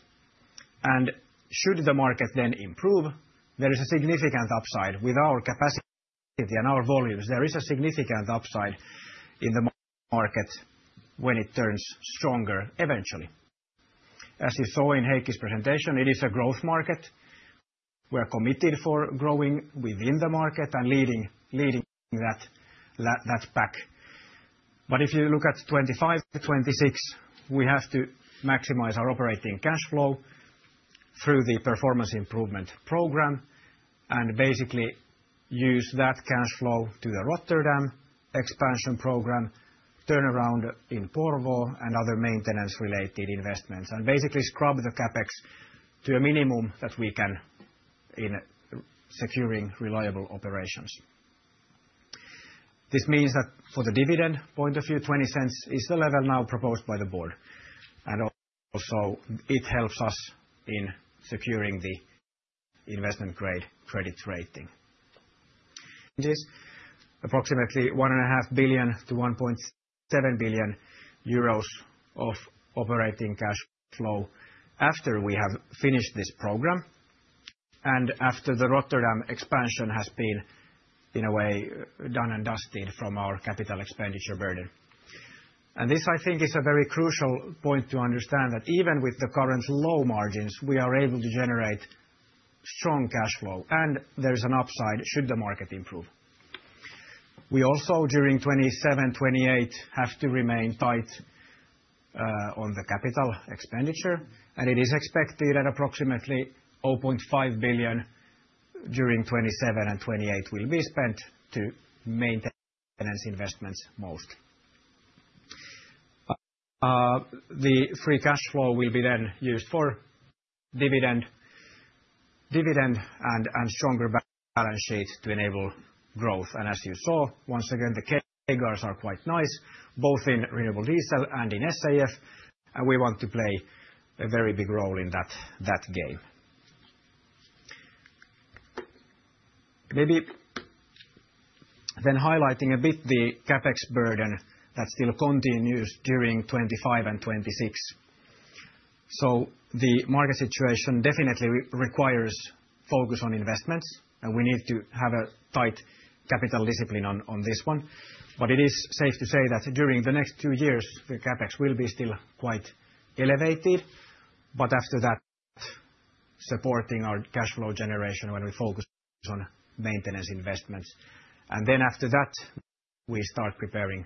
Should the market then improve, there is a significant upside with our capacity and our volumes. There is a significant upside in the market when it turns stronger eventually. As you saw in Heikki's presentation, it is a growth market. We are committed for growing within the market and leading that pack. But if you look at 2025 to 2026, we have to maximize our operating cash flow through the Performance Improvement Program and basically use that cash flow to the Rotterdam expansion program, turnaround in Porvoo, and other maintenance-related investments, and basically scrub the CapEx to a minimum that we can in securing reliable operations. This means that for the dividend point of view, 0.20 is the level now proposed by the board. And also it helps us in securing the Investment Grade credit rating. Approximately 1.5-1.7 billion euros of operating cash flow after we have finished this program and after the Rotterdam expansion has been in a way done and dusted from our capital expenditure burden. This, I think, is a very crucial point to understand that even with the current low margins, we are able to generate strong cash flow, and there is an upside should the market improve. We also, during 2027, 2028, have to remain tight on the capital expenditure, and it is expected at approximately 0.5 billion during 2027 and 2028 will be spent to maintain maintenance investments most. The free cash flow will be then used for dividend and stronger balance sheet to enable growth. As you saw, once again, the CAGRs are quite nice, both in renewable diesel and in SAF, and we want to play a very big role in that game. Maybe then highlighting a bit the CapEx burden that still continues during 2025 and 2026. So the market situation definitely requires focus on investments, and we need to have a tight capital discipline on this one. But it is safe to say that during the next two years, the CapEx will be still quite elevated, but after that, supporting our cash flow generation when we focus on maintenance investments. And then after that, we start preparing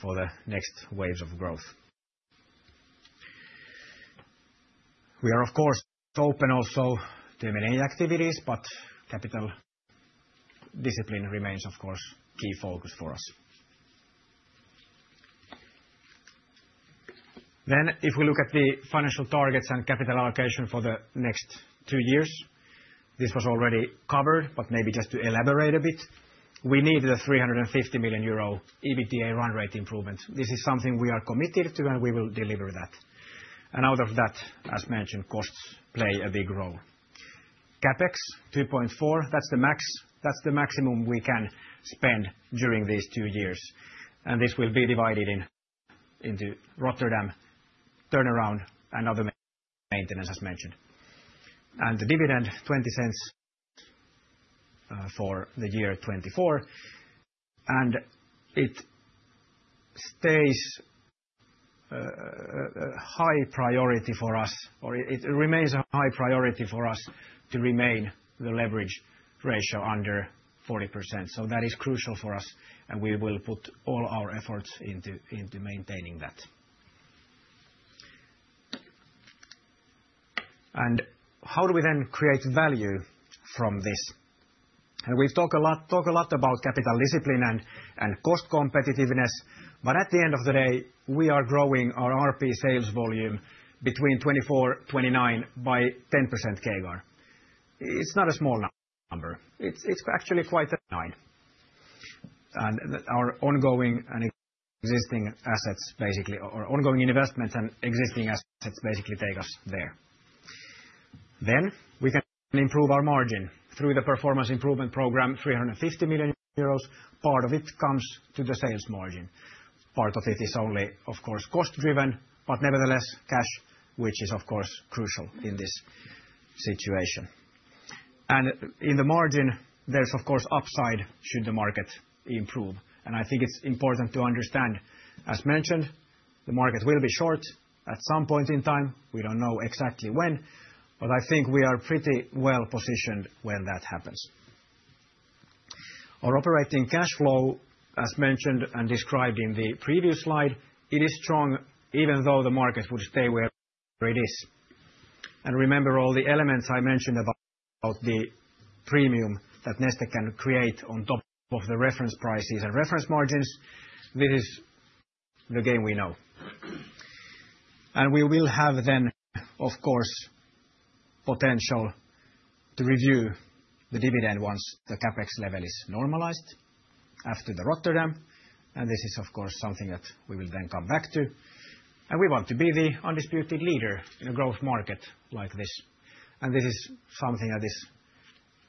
for the next waves of growth. We are, of course, open also to M&A activities, but capital discipline remains, of course, key focus for us. Then if we look at the financial targets and capital allocation for the next two years, this was already covered, but maybe just to elaborate a bit, we need the 350 million euro EBITDA run rate improvement. This is something we are committed to, and we will deliver that. Out of that, as mentioned, costs play a big role. CapEx 2.4, that's the maximum we can spend during these two years. And this will be divided into Rotterdam turnaround and other maintenance, as mentioned. And the dividend, 0.20 for the year 2024. And it stays a high priority for us, or it remains a high priority for us to remain the leverage ratio under 40%. So that is crucial for us, and we will put all our efforts into maintaining that. And how do we then create value from this? And we've talked a lot about capital discipline and cost competitiveness, but at the end of the day, we are growing our RP sales volume between 2024 and 2029 by 10% CAGR. It's not a small number. It's actually quite a line. Our ongoing and existing assets, basically, or ongoing investments and existing assets basically take us there. Then we can improve our margin through the Performance Improvement Program, 350 million euros. Part of it comes to the sales margin. Part of it is only, of course, cost-driven, but nevertheless, cash, which is, of course, crucial in this situation. And in the margin, there's, of course, upside should the market improve. And I think it's important to understand, as mentioned, the market will be short at some point in time. We don't know exactly when, but I think we are pretty well positioned when that happens. Our operating cash flow, as mentioned and described in the previous slide, it is strong even though the market would stay where it is. And remember all the elements I mentioned about the premium that Neste can create on top of the reference prices and reference margins. This is the game we know. And we will have then, of course, potential to review the dividend once the CapEx level is normalized after the Rotterdam. And this is, of course, something that we will then come back to. And we want to be the undisputed leader in a growth market like this. And this is something that is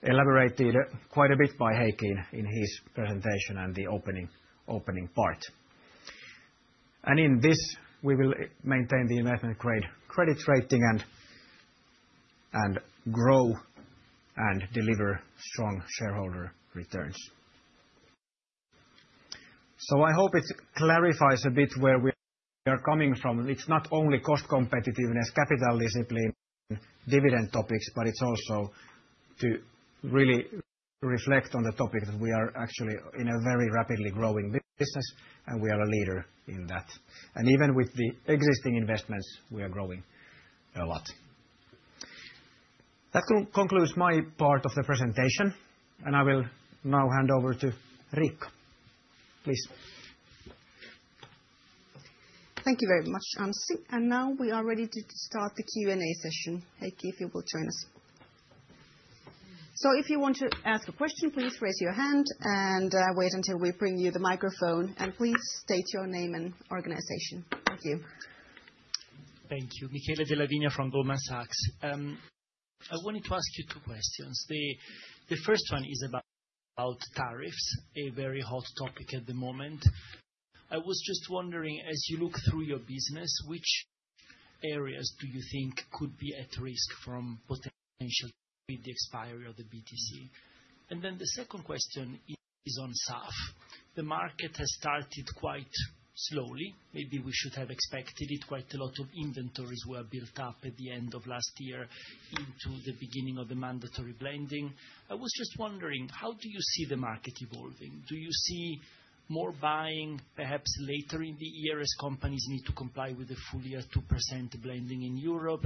elaborated quite a bit by Heikki in his presentation and the opening part. And in this, we will maintain the investment-grade credit rating and grow and deliver strong shareholder returns. So I hope it clarifies a bit where we are coming from. It's not only cost competitiveness, capital discipline, dividend topics, but it's also to really reflect on the topic that we are actually in a very rapidly growing business, and we are a leader in that, and even with the existing investments, we are growing a lot. That concludes my part of the presentation, and I will now hand over to Riikka. Please. Thank you very much, Anssi, and now we are ready to start the Q&A session. Heikki, if you will join us, so if you want to ask a question, please raise your hand and wait until we bring you the microphone, and please state your name and organization. Thank you. Thank you. Michele Della Vigna from Goldman Sachs. I wanted to ask you two questions. The first one is about tariffs, a very hot topic at the moment. I was just wondering, as you look through your business, which areas do you think could be at risk from potential with the expiry of the BTC? And then the second question is on SAF. The market has started quite slowly. Maybe we should have expected it. Quite a lot of inventories were built up at the end of last year into the beginning of the mandatory blending. I was just wondering, how do you see the market evolving? Do you see more buying, perhaps later in the year, as companies need to comply with the full year 2% blending in Europe?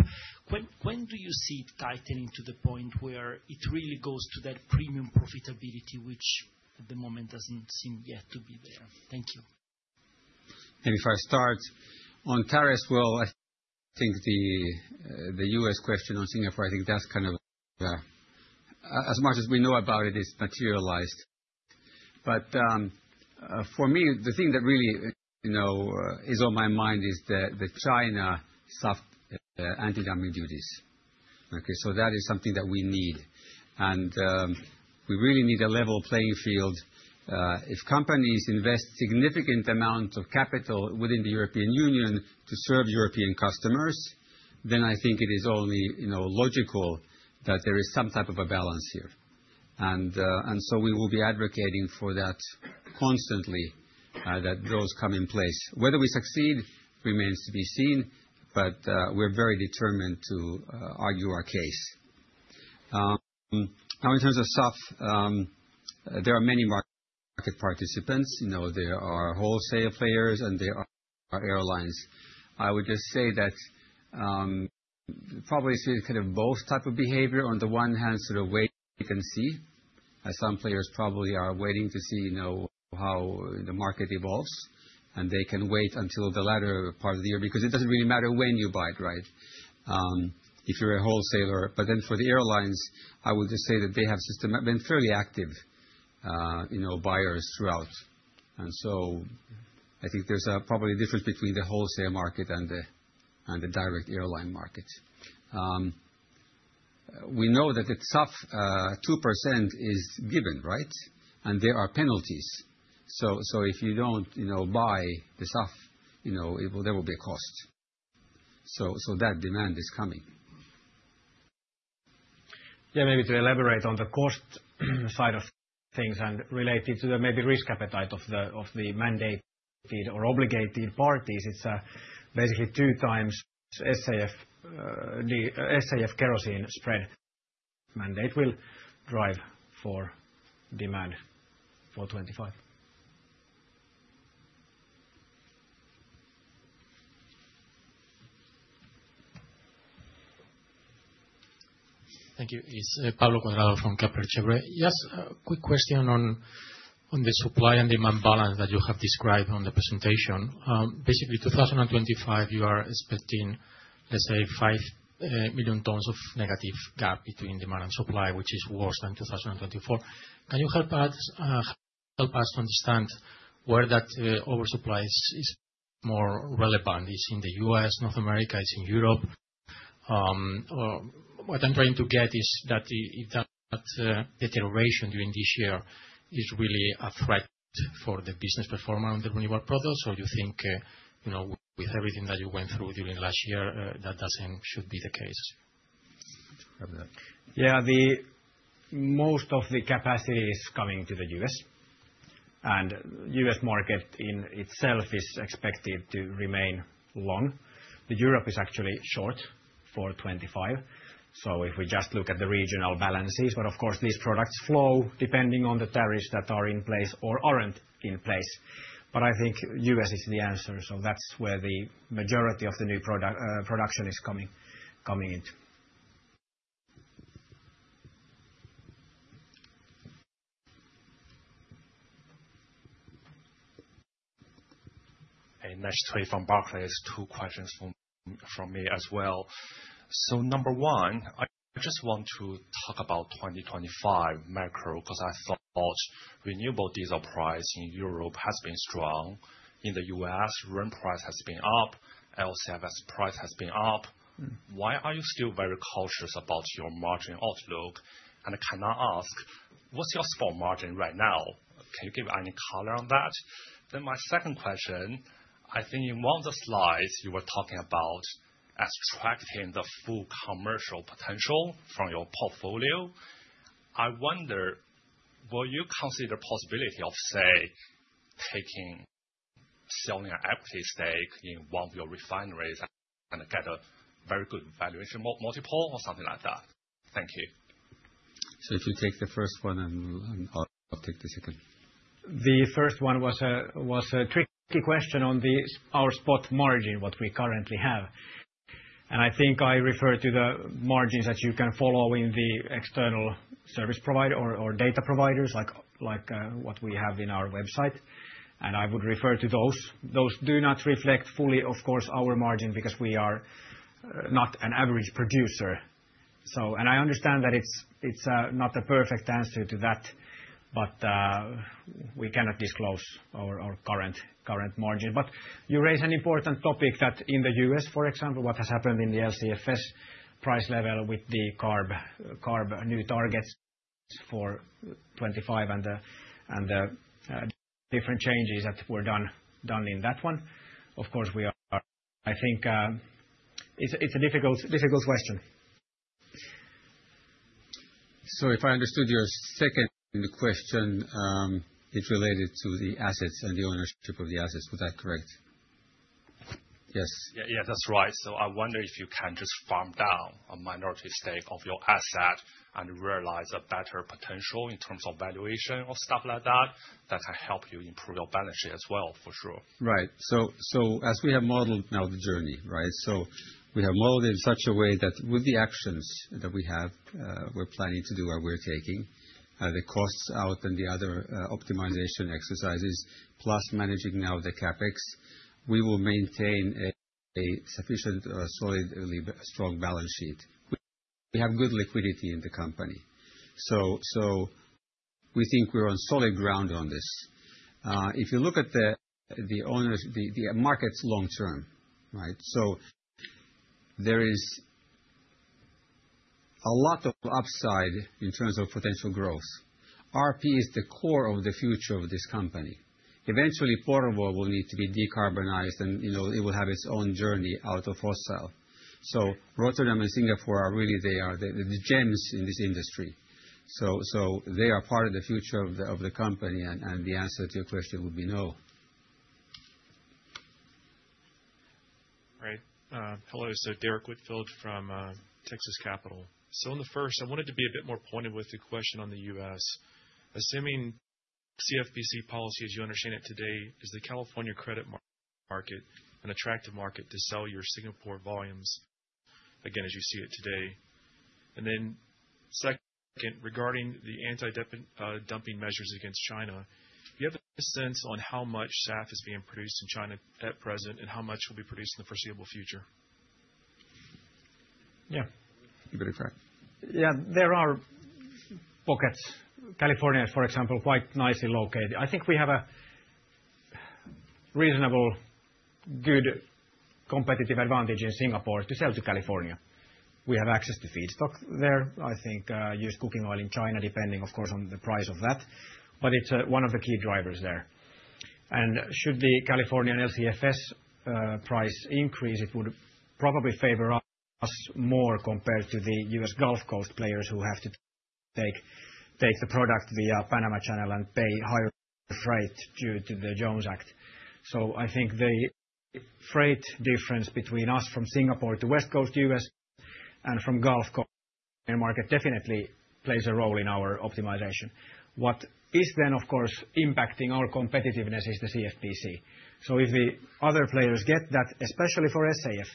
When do you see it tightening to the point where it really goes to that premium profitability, which at the moment doesn't seem yet to be there? Thank you. Maybe if I start on tariffs, well, I think the U.S. question on Singapore, I think that's kind of, as much as we know about it, is materialized. But for me, the thing that really is on my mind is the China SAF anti-dumping duties. So that is something that we need. And we really need a level playing field. If companies invest significant amounts of capital within the European Union to serve European customers, then I think it is only logical that there is some type of a balance here. And so we will be advocating for that constantly, that those come in place. Whether we succeed remains to be seen, but we're very determined to argue our case. Now, in terms of SAF, there are many market participants. There are wholesale players and there are airlines. I would just say that probably see kind of both types of behavior. On the one hand, sort of wait and see, as some players probably are waiting to see how the market evolves, and they can wait until the latter part of the year because it doesn't really matter when you buy it, right? If you're a wholesaler. But then for the airlines, I would just say that they have been fairly active buyers throughout. And so I think there's probably a difference between the wholesale market and the direct airline market. We know that the SAF 2% is given, right? And there are penalties. So if you don't buy the SAF, there will be a cost. So that demand is coming. Yeah, maybe to elaborate on the cost side of things and related to the maybe risk appetite of the mandated or obligated parties, it's basically two times SAF kerosene spread mandate will drive for demand for 2025. Thank you. It's Pablo Cuadrado from Kepler Cheuvreux. Yes, quick question on the supply and demand balance that you have described on the presentation. Basically, 2025, you are expecting, let's say, five million tons of negative gap between demand and supply, which is worse than 2024. Can you help us understand where that oversupply is more relevant? Is it in the U.S., North America? Is it in Europe? What I'm trying to get is that if that deterioration during this year is really a threat for the business performance on the renewable products, or do you think with everything that you went through during last year, that should be the case? Yeah, most of the capacity is coming to the U.S. And the U.S. market in itself is expected to remain long. Europe is actually short for 2025. So if we just look at the regional balances, but of course, these products flow depending on the tariffs that are in place or aren't in place. But I think the U.S. is the answer. So that's where the majority of the new production is coming into. Hey, Ashley from Barclays, two questions from me as well. So number one, I just want to talk about 2025 macro because I thought renewable diesel price in Europe has been strong. In the U.S., RD price has been up. LCFS price has been up. Why are you still very cautious about your margin outlook? And I can ask, what's your spot margin right now? Can you give any color on that? Then my second question, I think in one of the slides, you were talking about extracting the full commercial potential from your portfolio. I wonder, will you consider the possibility of, say, taking selling an equity stake in one of your refineries and get a very good valuation multiple or something like that? Thank you. So if you take the first one and I'll take the second. The first one was a tricky question on our spot margin, what we currently have. And I think I referred to the margins that you can follow in the external service provider or data providers, like what we have in our website. And I would refer to those. Those do not reflect fully, of course, our margin because we are not an average producer. And I understand that it's not a perfect answer to that, but we cannot disclose our current margin. But you raise an important topic that in the U.S., for example, what has happened in the LCFS price level with the CARB new targets for 2025 and the different changes that were done in that one. Of course, we are, I think it's a difficult question. So if I understood your second question, it's related to the assets and the ownership of the assets. Was that correct? Yes. Yeah, that's right. So I wonder if you can just farm down a minority stake of your asset and realize a better potential in terms of valuation or stuff like that that can help you improve your balance sheet as well, for sure. Right. So as we have modeled now the journey, right? So we have modeled it in such a way that with the actions that we have, we're planning to do what we're taking, the costs out and the other optimization exercises, plus managing now the CapEx, we will maintain a sufficient or solidly strong balance sheet. We have good liquidity in the company. So we think we're on solid ground on this. If you look at the markets long term, right? So there is a lot of upside in terms of potential growth. RP is the core of the future of this company. Eventually, Porvoo will need to be decarbonized and it will have its own journey out of fossil. So Rotterdam and Singapore are really, they are the gems in this industry. So they are part of the future of the company. And the answer to your question would be no. All right. Hello. Derrick Whitfield from Texas Capital. In the first, I wanted to be a bit more pointed with the question on the U.S. Assuming CFPC policy, as you understand it today, is the California credit market an attractive market to sell your Singapore volumes again as you see it today? And then second, regarding the anti-dumping measures against China, do you have a sense on how much SAF is being produced in China at present and how much will be produced in the foreseeable future? Yeah. You're very correct. Yeah, there are pockets. California is, for example, quite nicely located. I think we have a reasonable, good competitive advantage in Singapore to sell to California. We have access to feedstock there. I think used cooking oil in China, depending, of course, on the price of that. But it's one of the key drivers there. And should the California and LCFS price increase, it would probably favor us more compared to the U.S. Gulf Coast players who have to take the product via Panama Canal and pay higher freight due to the Jones Act. So I think the freight difference between us from Singapore to West Coast U.S. and from Gulf Coast market definitely plays a role in our optimization. What is then, of course, impacting our competitiveness is the CFPC. So if the other players get that, especially for SAF,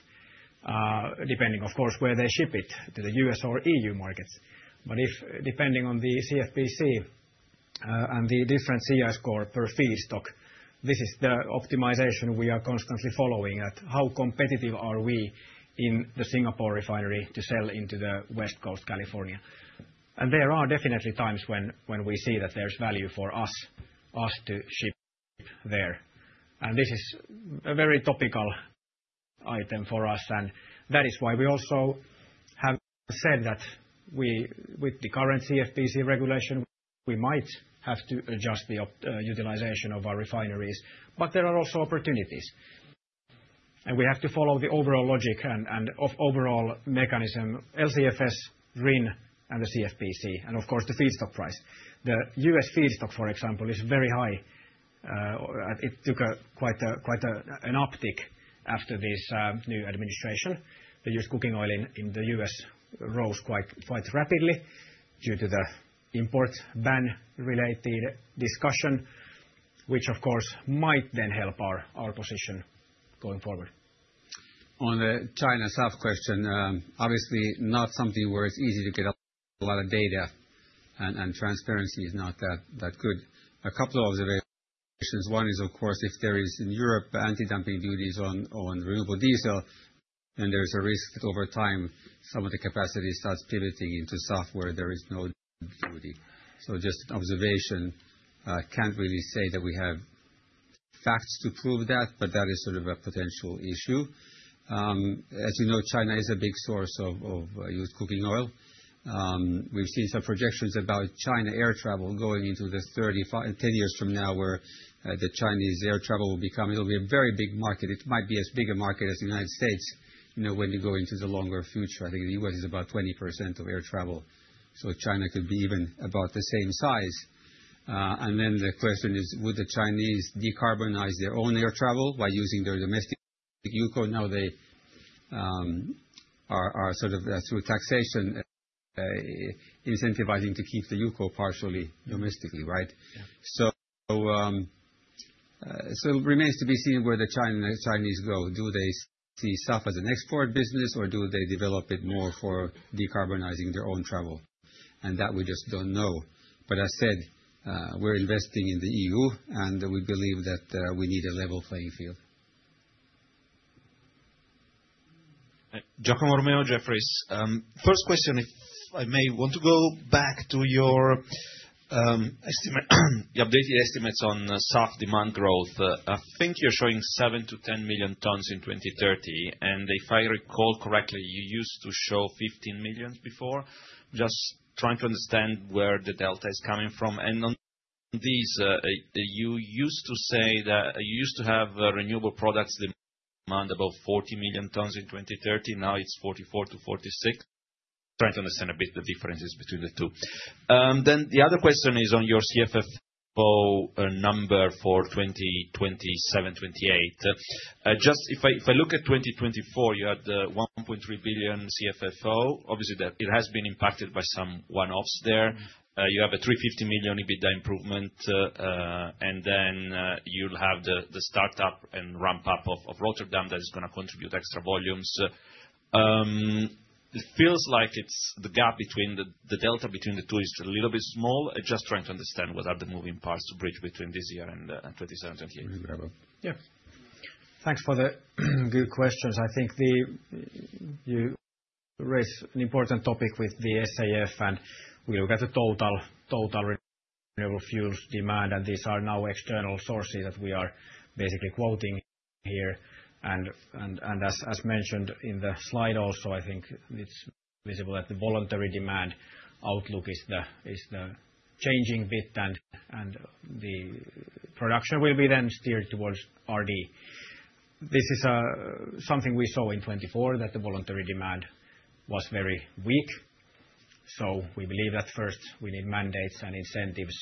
depending, of course, where they ship it, to the U.S. or EU markets. But if depending on the CFPC and the different CI score per feedstock, this is the optimization we are constantly following at how competitive are we in the Singapore refinery to sell into the West Coast, California. There are definitely times when we see that there's value for us to ship there. This is a very topical item for us. That is why we also have said that with the current CFPC regulation, we might have to adjust the utilization of our refineries. There are also opportunities. We have to follow the overall logic and overall mechanism, LCFS, RIN, and the CFPC, and of course, the feedstock price. The U.S. feedstock, for example, is very high. It took quite an uptick after this new administration. The used cooking oil in the U.S. rose quite rapidly due to the import ban-related discussion, which, of course, might then help our position going forward. On the China SAF question, obviously not something where it's easy to get a lot of data and transparency is not that good. A couple of observations. One is, of course, if there is in Europe anti-dumping duties on renewable diesel, then there's a risk that over time some of the capacity starts pivoting into SAF where there is no duty. So just an observation. Can't really say that we have facts to prove that, but that is sort of a potential issue. As you know, China is a big source of used cooking oil. We've seen some projections about China air travel going into 2030, 10 years from now where the Chinese air travel will become, it'll be a very big market. It might be as big a market as the United States when you go into the longer future. I think the U.S. is about 20% of air travel. So China could be even about the same size. Then the question is, would the Chinese decarbonize their own air travel by using their domestic UCO? Now they are sort of, through taxation, incentivizing to keep the UCO partially domestically, right? So it remains to be seen where the Chinese go. Do they see SAF as an export business or do they develop it more for decarbonizing their own travel? And that we just don't know. But as said, we're investing in the EU and we believe that we need a level playing field. Giacomo Romeo, Jefferies. First question, if I may, want to go back to your updated estimates on SAF demand growth. I think you're showing 7-10 million tons in 2030. And if I recall correctly, you used to show 15 million before. Just trying to understand where the delta is coming from. On these, you used to say that you used to have renewable products demand about 40 million tons in 2030. Now it's 44-46. Trying to understand a bit the differences between the two. Then the other question is on your CFFO number for 2027 to 2028. Just if I look at 2024, you had 1.3 billion CFFO. Obviously, it has been impacted by some one-offs there. You have a 350 million EBITDA improvement. And then you'll have the startup and ramp-up of Rotterdam that is going to contribute extra volumes. It feels like the gap between the delta between the two is a little bit small. Just trying to understand what are the moving parts to bridge between this year and 2027. Yeah. Thanks for the good questions. I think you raised an important topic with the SAF and we look at the total renewable fuels demand and these are now external sources that we are basically quoting here, and as mentioned in the slide also, I think it's visible that the voluntary demand outlook is the changing bit and the production will be then steered towards RD. This is something we saw in 2024 that the voluntary demand was very weak. So we believe that first we need mandates and incentives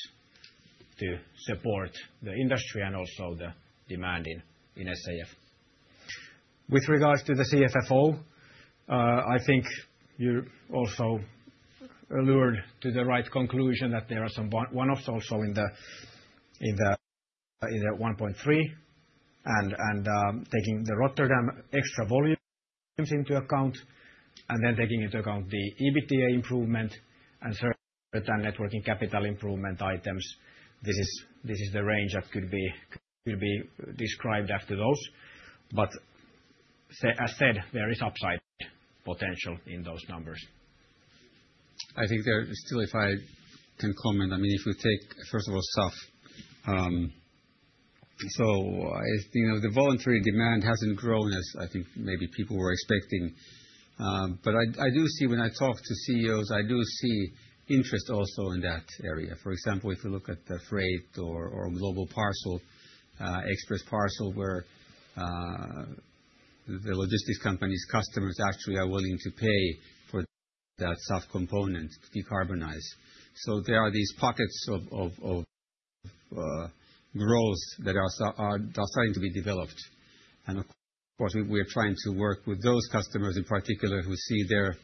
to support the industry and also the demand in SAF. With regards to the CFFO, I think you also alluded to the right conclusion that there are some one-offs also in the 1.3 and taking the Rotterdam extra volumes into account and then taking into account the EBITDA improvement and net working capital improvement items. This is the range that could be described after those. But as said, there is upside potential in those numbers. I think there still, if I can comment, I mean, if we take, first of all, SAF. So I think the voluntary demand hasn't grown as I think maybe people were expecting. But I do see when I talk to CEOs, I do see interest also in that area. For example, if you look at the freight or global parcel, express parcel, where the logistics company's customers actually are willing to pay for that SAF component to decarbonize. So there are these pockets of growth that are starting to be developed. And of course, we are trying to work with those customers in particular who see their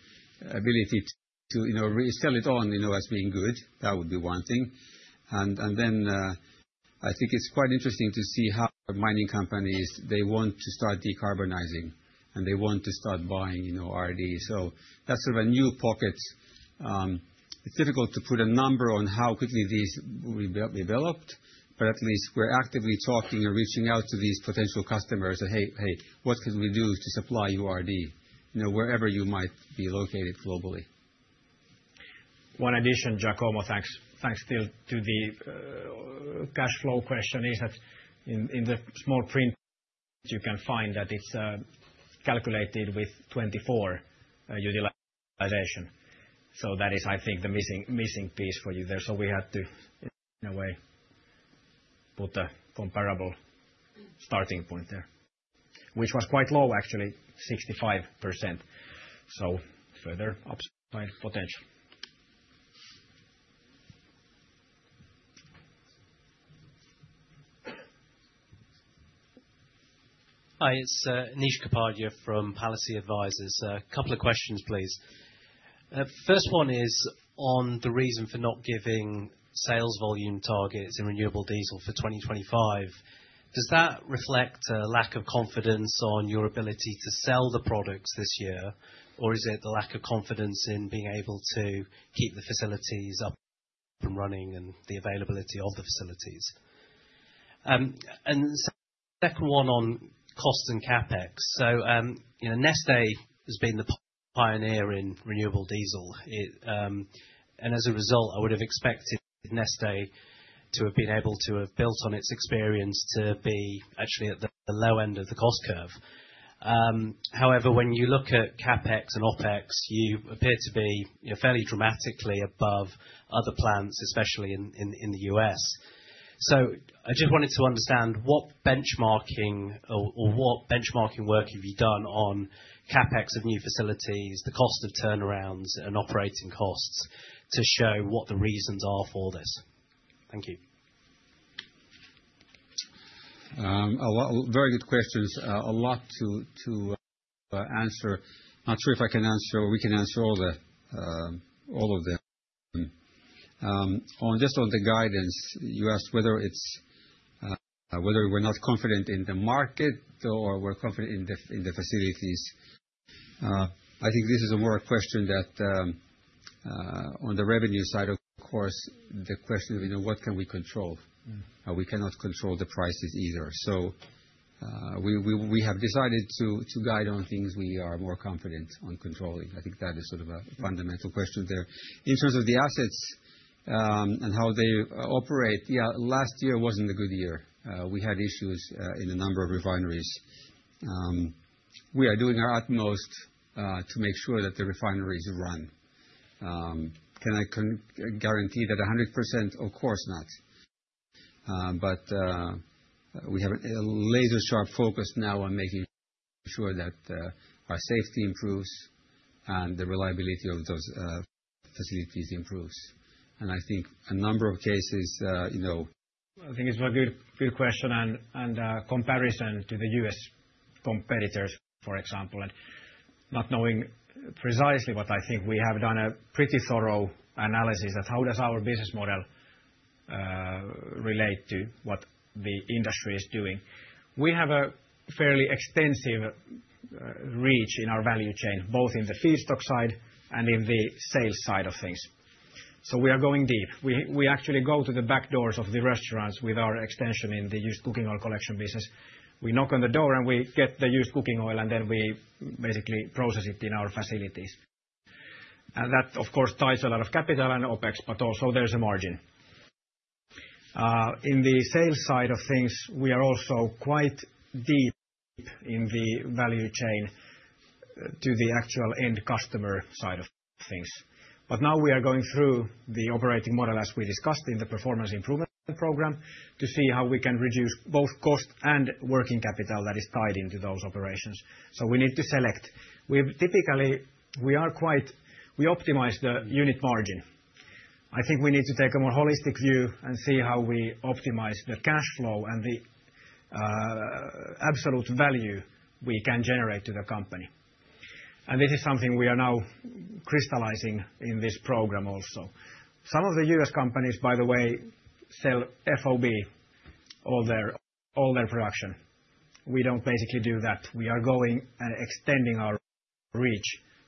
ability to sell it on as being good. That would be one thing. Then I think it's quite interesting to see how mining companies, they want to start decarbonizing and they want to start buying RD. So that's sort of a new pocket. It's difficult to put a number on how quickly these will be developed, but at least we're actively talking and reaching out to these potential customers that, hey, what can we do to supply you RD wherever you might be located globally? One addition, Giacomo, thanks. Thanks still to the cash flow question is that in the small print, you can find that it's calculated with 24 utilization. So that is, I think, the missing piece for you there. So we had to, in a way, put a comparable starting point there, which was quite low, actually, 65%. So further upside potential. Hi, it's Anish Kapadia from Palissy Advisors. A couple of questions, please. First one is on the reason for not giving sales volume targets in renewable diesel for 2025. Does that reflect a lack of confidence on your ability to sell the products this year, or is it the lack of confidence in being able to keep the facilities up and running and the availability of the facilities? And second one on cost and CapEx. So Neste has been the pioneer in renewable diesel. And as a result, I would have expected Neste to have been able to have built on its experience to be actually at the low end of the cost curve. However, when you look at CapEx and OpEx, you appear to be fairly dramatically above other plants, especially in the U.S. So I just wanted to understand what benchmarking or what benchmarking work have you done on CapEx of new facilities, the cost of turnarounds and operating costs to show what the reasons are for this? Thank you. Very good questions. A lot to answer. Not sure if I can answer or we can answer all of them. Just on the guidance, you asked whether we're not confident in the market or we're confident in the facilities. I think this is more a question that on the revenue side, of course, the question of what can we control. We cannot control the prices either. So we have decided to guide on things we are more confident on controlling. I think that is sort of a fundamental question there. In terms of the assets and how they operate, yeah, last year wasn't a good year. We had issues in a number of refineries. We are doing our utmost to make sure that the refineries run. Can I guarantee that 100%? Of course not. But we have a laser-sharp focus now on making sure that our safety improves and the reliability of those facilities improves. And I think a number of cases. I think it's a good question and comparison to the U.S. competitors, for example. And not knowing precisely what I think we have done a pretty thorough analysis of how does our business model relate to what the industry is doing. We have a fairly extensive reach in our value chain, both in the feedstock side and in the sales side of things. So we are going deep. We actually go to the back doors of the restaurants with our extension in the used cooking oil collection business. We knock on the door and we get the used cooking oil and then we basically process it in our facilities, and that, of course, ties a lot of capital and OpEx, but also there's a margin. In the sales side of things, we are also quite deep in the value chain to the actual end customer side of things, but now we are going through the operating model, as we discussed in the Performance Improvement Program, to see how we can reduce both cost and working capital that is tied into those operations, so we need to select. Typically, we optimize the unit margin. I think we need to take a more holistic view and see how we optimize the cash flow and the absolute value we can generate to the company, and this is something we are now crystallizing in this program also. Some of the U.S. companies, by the way, sell FOB, all their production. We don't basically do that. We are going and extending our reach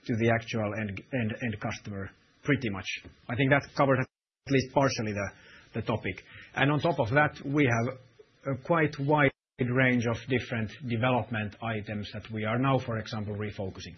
to the actual end customer pretty much. I think that covers at least partially the topic. And on top of that, we have a quite wide range of different development items that we are now, for example, refocusing.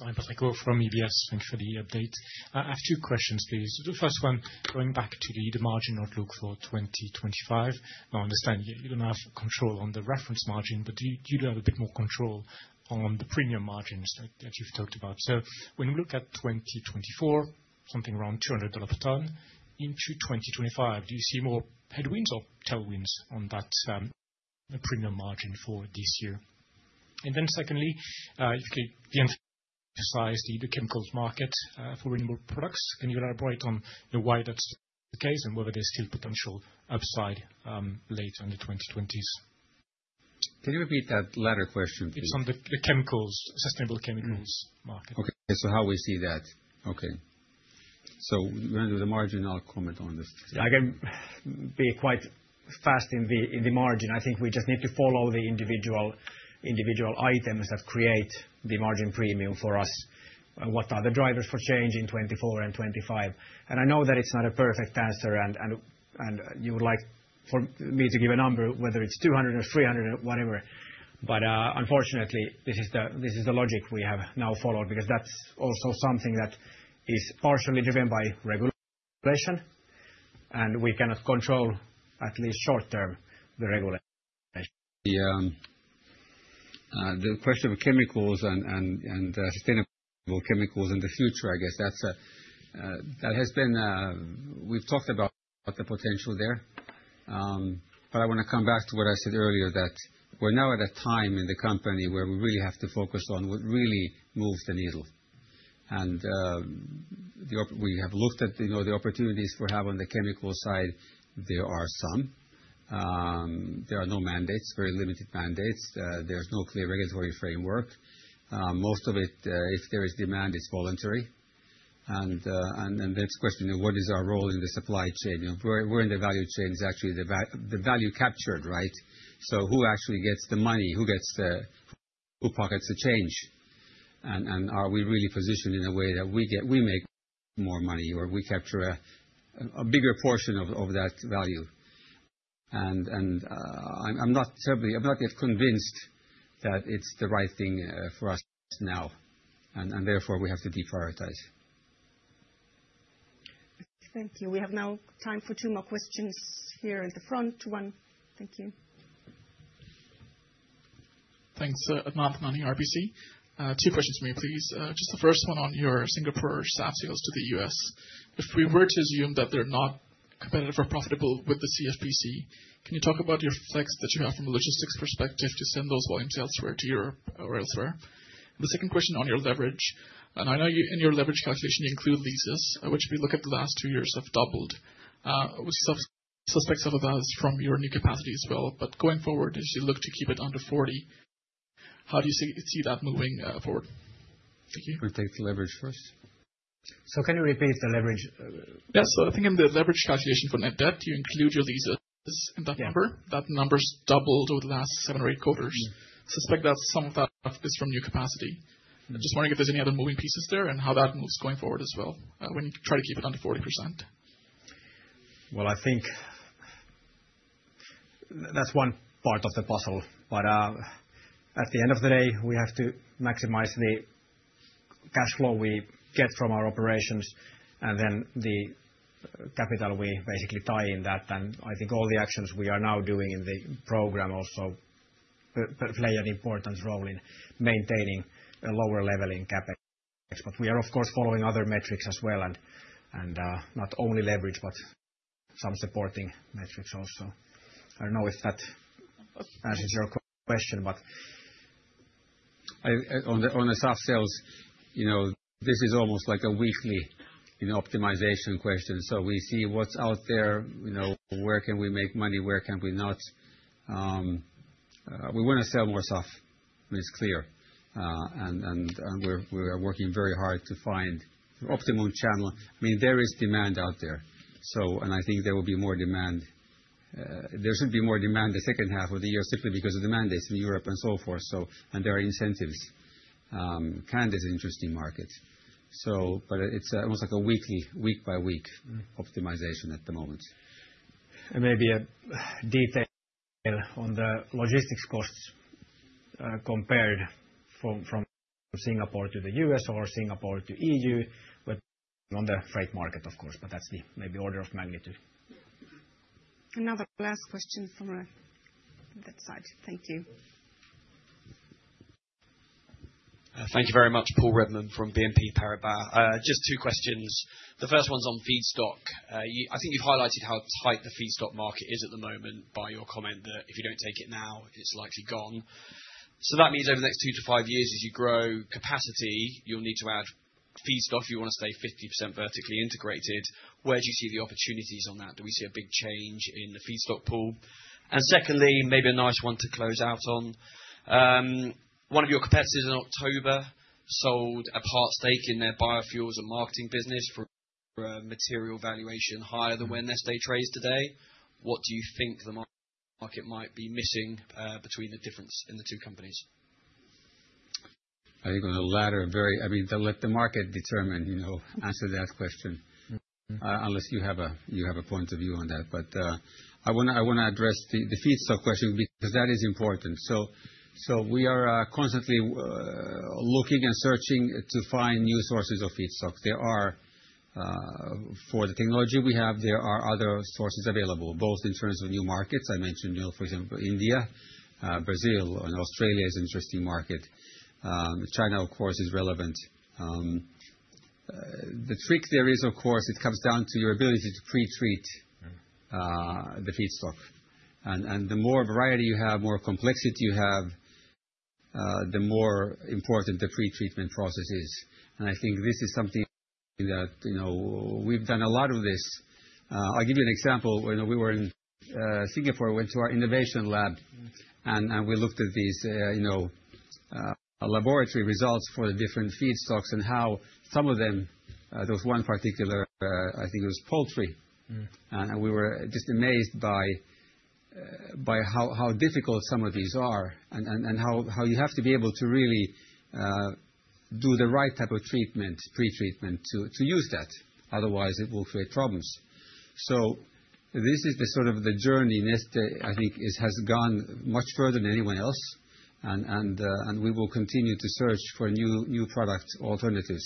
Hi, Henri Patricot from UBS. Thanks for the update. I have two questions, please. The first one, going back to the margin outlook for 2025. Now, I understand you don't have control on the reference margin, but you do have a bit more control on the premium margins that you've talked about. So when we look at 2024, something around $200 per ton, into 2025, do you see more headwinds or tailwinds on that premium margin for this year? Then secondly, if you can emphasize the chemicals market for renewable products, can you elaborate on why that's the case and whether there's still potential upside late in the 2020s? Can you repeat that latter question? It's on the chemicals, sustainable chemicals market. Okay. So how we see that? Okay. So we're going to do the margin. I'll comment on this. I can be quite fast on the margin. I think we just need to follow the individual items that create the margin premium for us. What are the drivers for change in 2024 and 2025? I know that it's not a perfect answer and you would like for me to give a number, whether it's $200 or $300 or whatever. Unfortunately, this is the logic we have now followed because that's also something that is partially driven by regulation. And we cannot control, at least short term, the regulation. The question of chemicals and sustainable chemicals in the future, I guess that has been we've talked about the potential there. But I want to come back to what I said earlier, that we're now at a time in the company where we really have to focus on what really moves the needle. And we have looked at the opportunities we have on the chemical side. There are some. There are no mandates, very limited mandates. There's no clear regulatory framework. Most of it, if there is demand, it's voluntary. And then it's a question of what is our role in the supply chain. Where in the value chain is actually the value captured, right? So who actually gets the money? Who pockets the change? And are we really positioned in a way that we make more money or we capture a bigger portion of that value? And I'm not yet convinced that it's the right thing for us now. And therefore, we have to deprioritize. Thank you. We have now time for two more questions here at the front. One, thank you. Thanks, Adnan from RBC. Two questions for me, please. Just the first one on your Singapore SAF sales to the U.S. If we were to assume that they're not competitive or profitable with the CFPC, can you talk about your flex that you have from a logistics perspective to send those volumes elsewhere to Europe or elsewhere? The second question on your leverage. And I know in your leverage calculation, you include leases, which we look at the last two years have doubled. We suspect some of that is from your new capacity as well. But going forward, as you look to keep it under 40%, how do you see that moving forward? Thank you. I'll take the leverage first. So can you repeat the leverage? Yeah. So I think in the leverage calculation for net debt, you include your leases in that number. That number's doubled over the last seven or eight quarters. Suspect that some of that is from new capacity. Just wondering if there's any other moving pieces there and how that moves going forward as well when you try to keep it under 40%. Well, I think that's one part of the puzzle. But at the end of the day, we have to maximize the cash flow we get from our operations and then the capital we basically tie in that. I think all the actions we are now doing in the program also play an important role in maintaining a lower level in CapEx. We are, of course, following other metrics as well and not only leverage, but some supporting metrics also. I don't know if that answers your question. On the SAF sales, this is almost like a weekly optimization question. We see what's out there, where can we make money, where can we not. We want to sell more SAF, and it's clear. We are working very hard to find the optimum channel. I mean, there is demand out there. I think there will be more demand. There should be more demand the second half of the year simply because of demand is in Europe and so forth. There are incentives. Canada is an interesting market. But it's almost like a week-by-week optimization at the moment. And maybe a detail on the logistics costs compared from Singapore to the U.S. or Singapore to E.U., but on the freight market, of course. But that's maybe order of magnitude. Another last question from that side. Thank you. Thank you very much, Paul Redman from BNP Paribas. Just two questions. The first one's on feedstock. I think you've highlighted how tight the feedstock market is at the moment by your comment that if you don't take it now, it's likely gone. So that means over the next two to five years, as you grow capacity, you'll need to add feedstock. You want to stay 50% vertically integrated. Where do you see the opportunities on that? Do we see a big change in the feedstock pool? And secondly, maybe a nice one to close out on. One of your competitors in October sold a part stake in their biofuels and marketing business for a material valuation higher than where Neste trades today. What do you think the market might be missing between the difference in the two companies? I think on the latter, I mean, let the market determine answer that question, unless you have a point of view on that, but I want to address the feedstock question because that is important, so we are constantly looking and searching to find new sources of feedstock. For the technology we have, there are other sources available, both in terms of new markets. I mentioned, for example, India, Brazil, and Australia is an interesting market. China, of course, is relevant. The trick there is, of course, it comes down to your ability to pre-treat the feedstock. And the more variety you have, more complexity you have, the more important the pre-treatment process is. And I think this is something that we've done a lot of this. I'll give you an example. We were in Singapore, went to our innovation lab, and we looked at these laboratory results for the different feedstocks and how some of them, those one particular, I think it was poultry. And we were just amazed by how difficult some of these are and how you have to be able to really do the right type of treatment, pre-treatment to use that. Otherwise, it will create problems. So this is sort of the journey Neste, I think, has gone much further than anyone else. And we will continue to search for new product alternatives.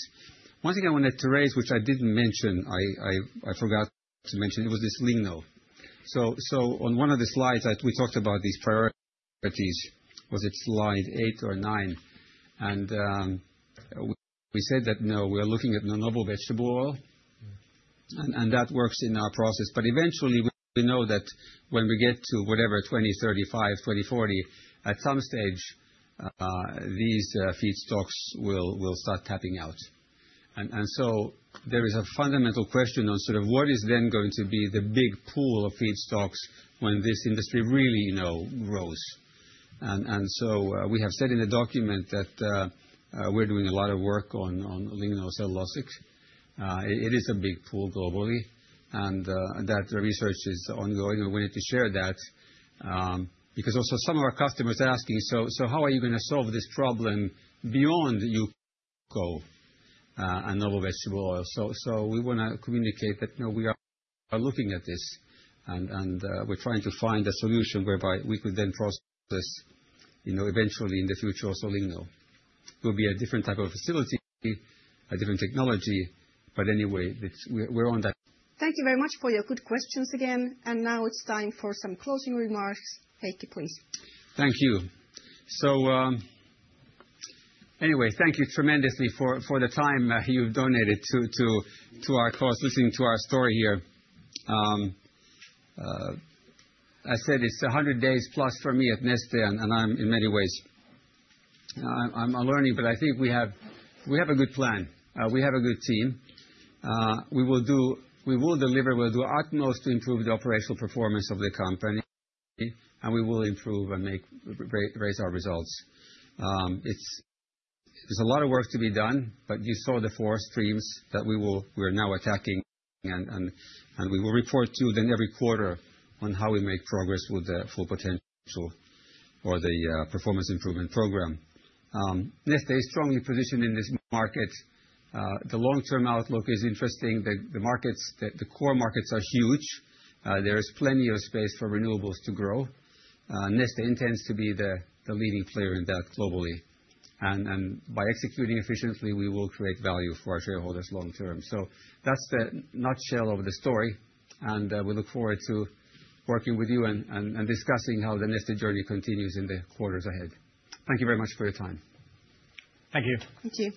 One thing I wanted to raise, which I didn't mention, I forgot to mention, it was this lignocellulosics. So on one of the slides, we talked about these priorities. Was it slide eight or nine? And we said that we are looking at the novel vegetable oil. And that works in our process. But eventually, we know that when we get to whatever, 2035, 2040, at some stage, these feedstocks will start tapping out. And so there is a fundamental question on sort of what is then going to be the big pool of feedstocks when this industry really grows. And so we have said in the document that we're doing a lot of work on lignocellulosics. It is a big pool globally. And that research is ongoing. We wanted to share that because also some of our customers are asking, "So how are you going to solve this problem beyond UCO and novel vegetable oil?" So we want to communicate that we are looking at this and we're trying to find a solution whereby we could then process eventually in the future also lignocellulosics. It will be a different type of facility, a different technology. But anyway, we're on that. Thank you very much for your good questions again, and now it's time for some closing remarks. Heikki, please. Thank you. So anyway, thank you tremendously for the time you've donated to our cause, listening to our story here. I said it's 100 days plus for me at Neste, and I'm in many ways. I'm learning, but I think we have a good plan. We have a good team. We will deliver. We'll do our utmost to improve the operational performance of the company. We will improve and raise our results. There's a lot of work to be done, but you saw the four streams that we are now attacking. We will report to you then every quarter on how we make progress with the full potential or the Performance Improvement Program. Neste is strongly positioned in this market. The long-term outlook is interesting. The core markets are huge. There is plenty of space for renewables to grow. Neste intends to be the leading player in that globally. By executing efficiently, we will create value for our shareholders long-term. That's the nutshell of the story. We look forward to working with you and discussing how the Neste journey continues in the quarters ahead. Thank you very much for your time. Thank you. Thank you.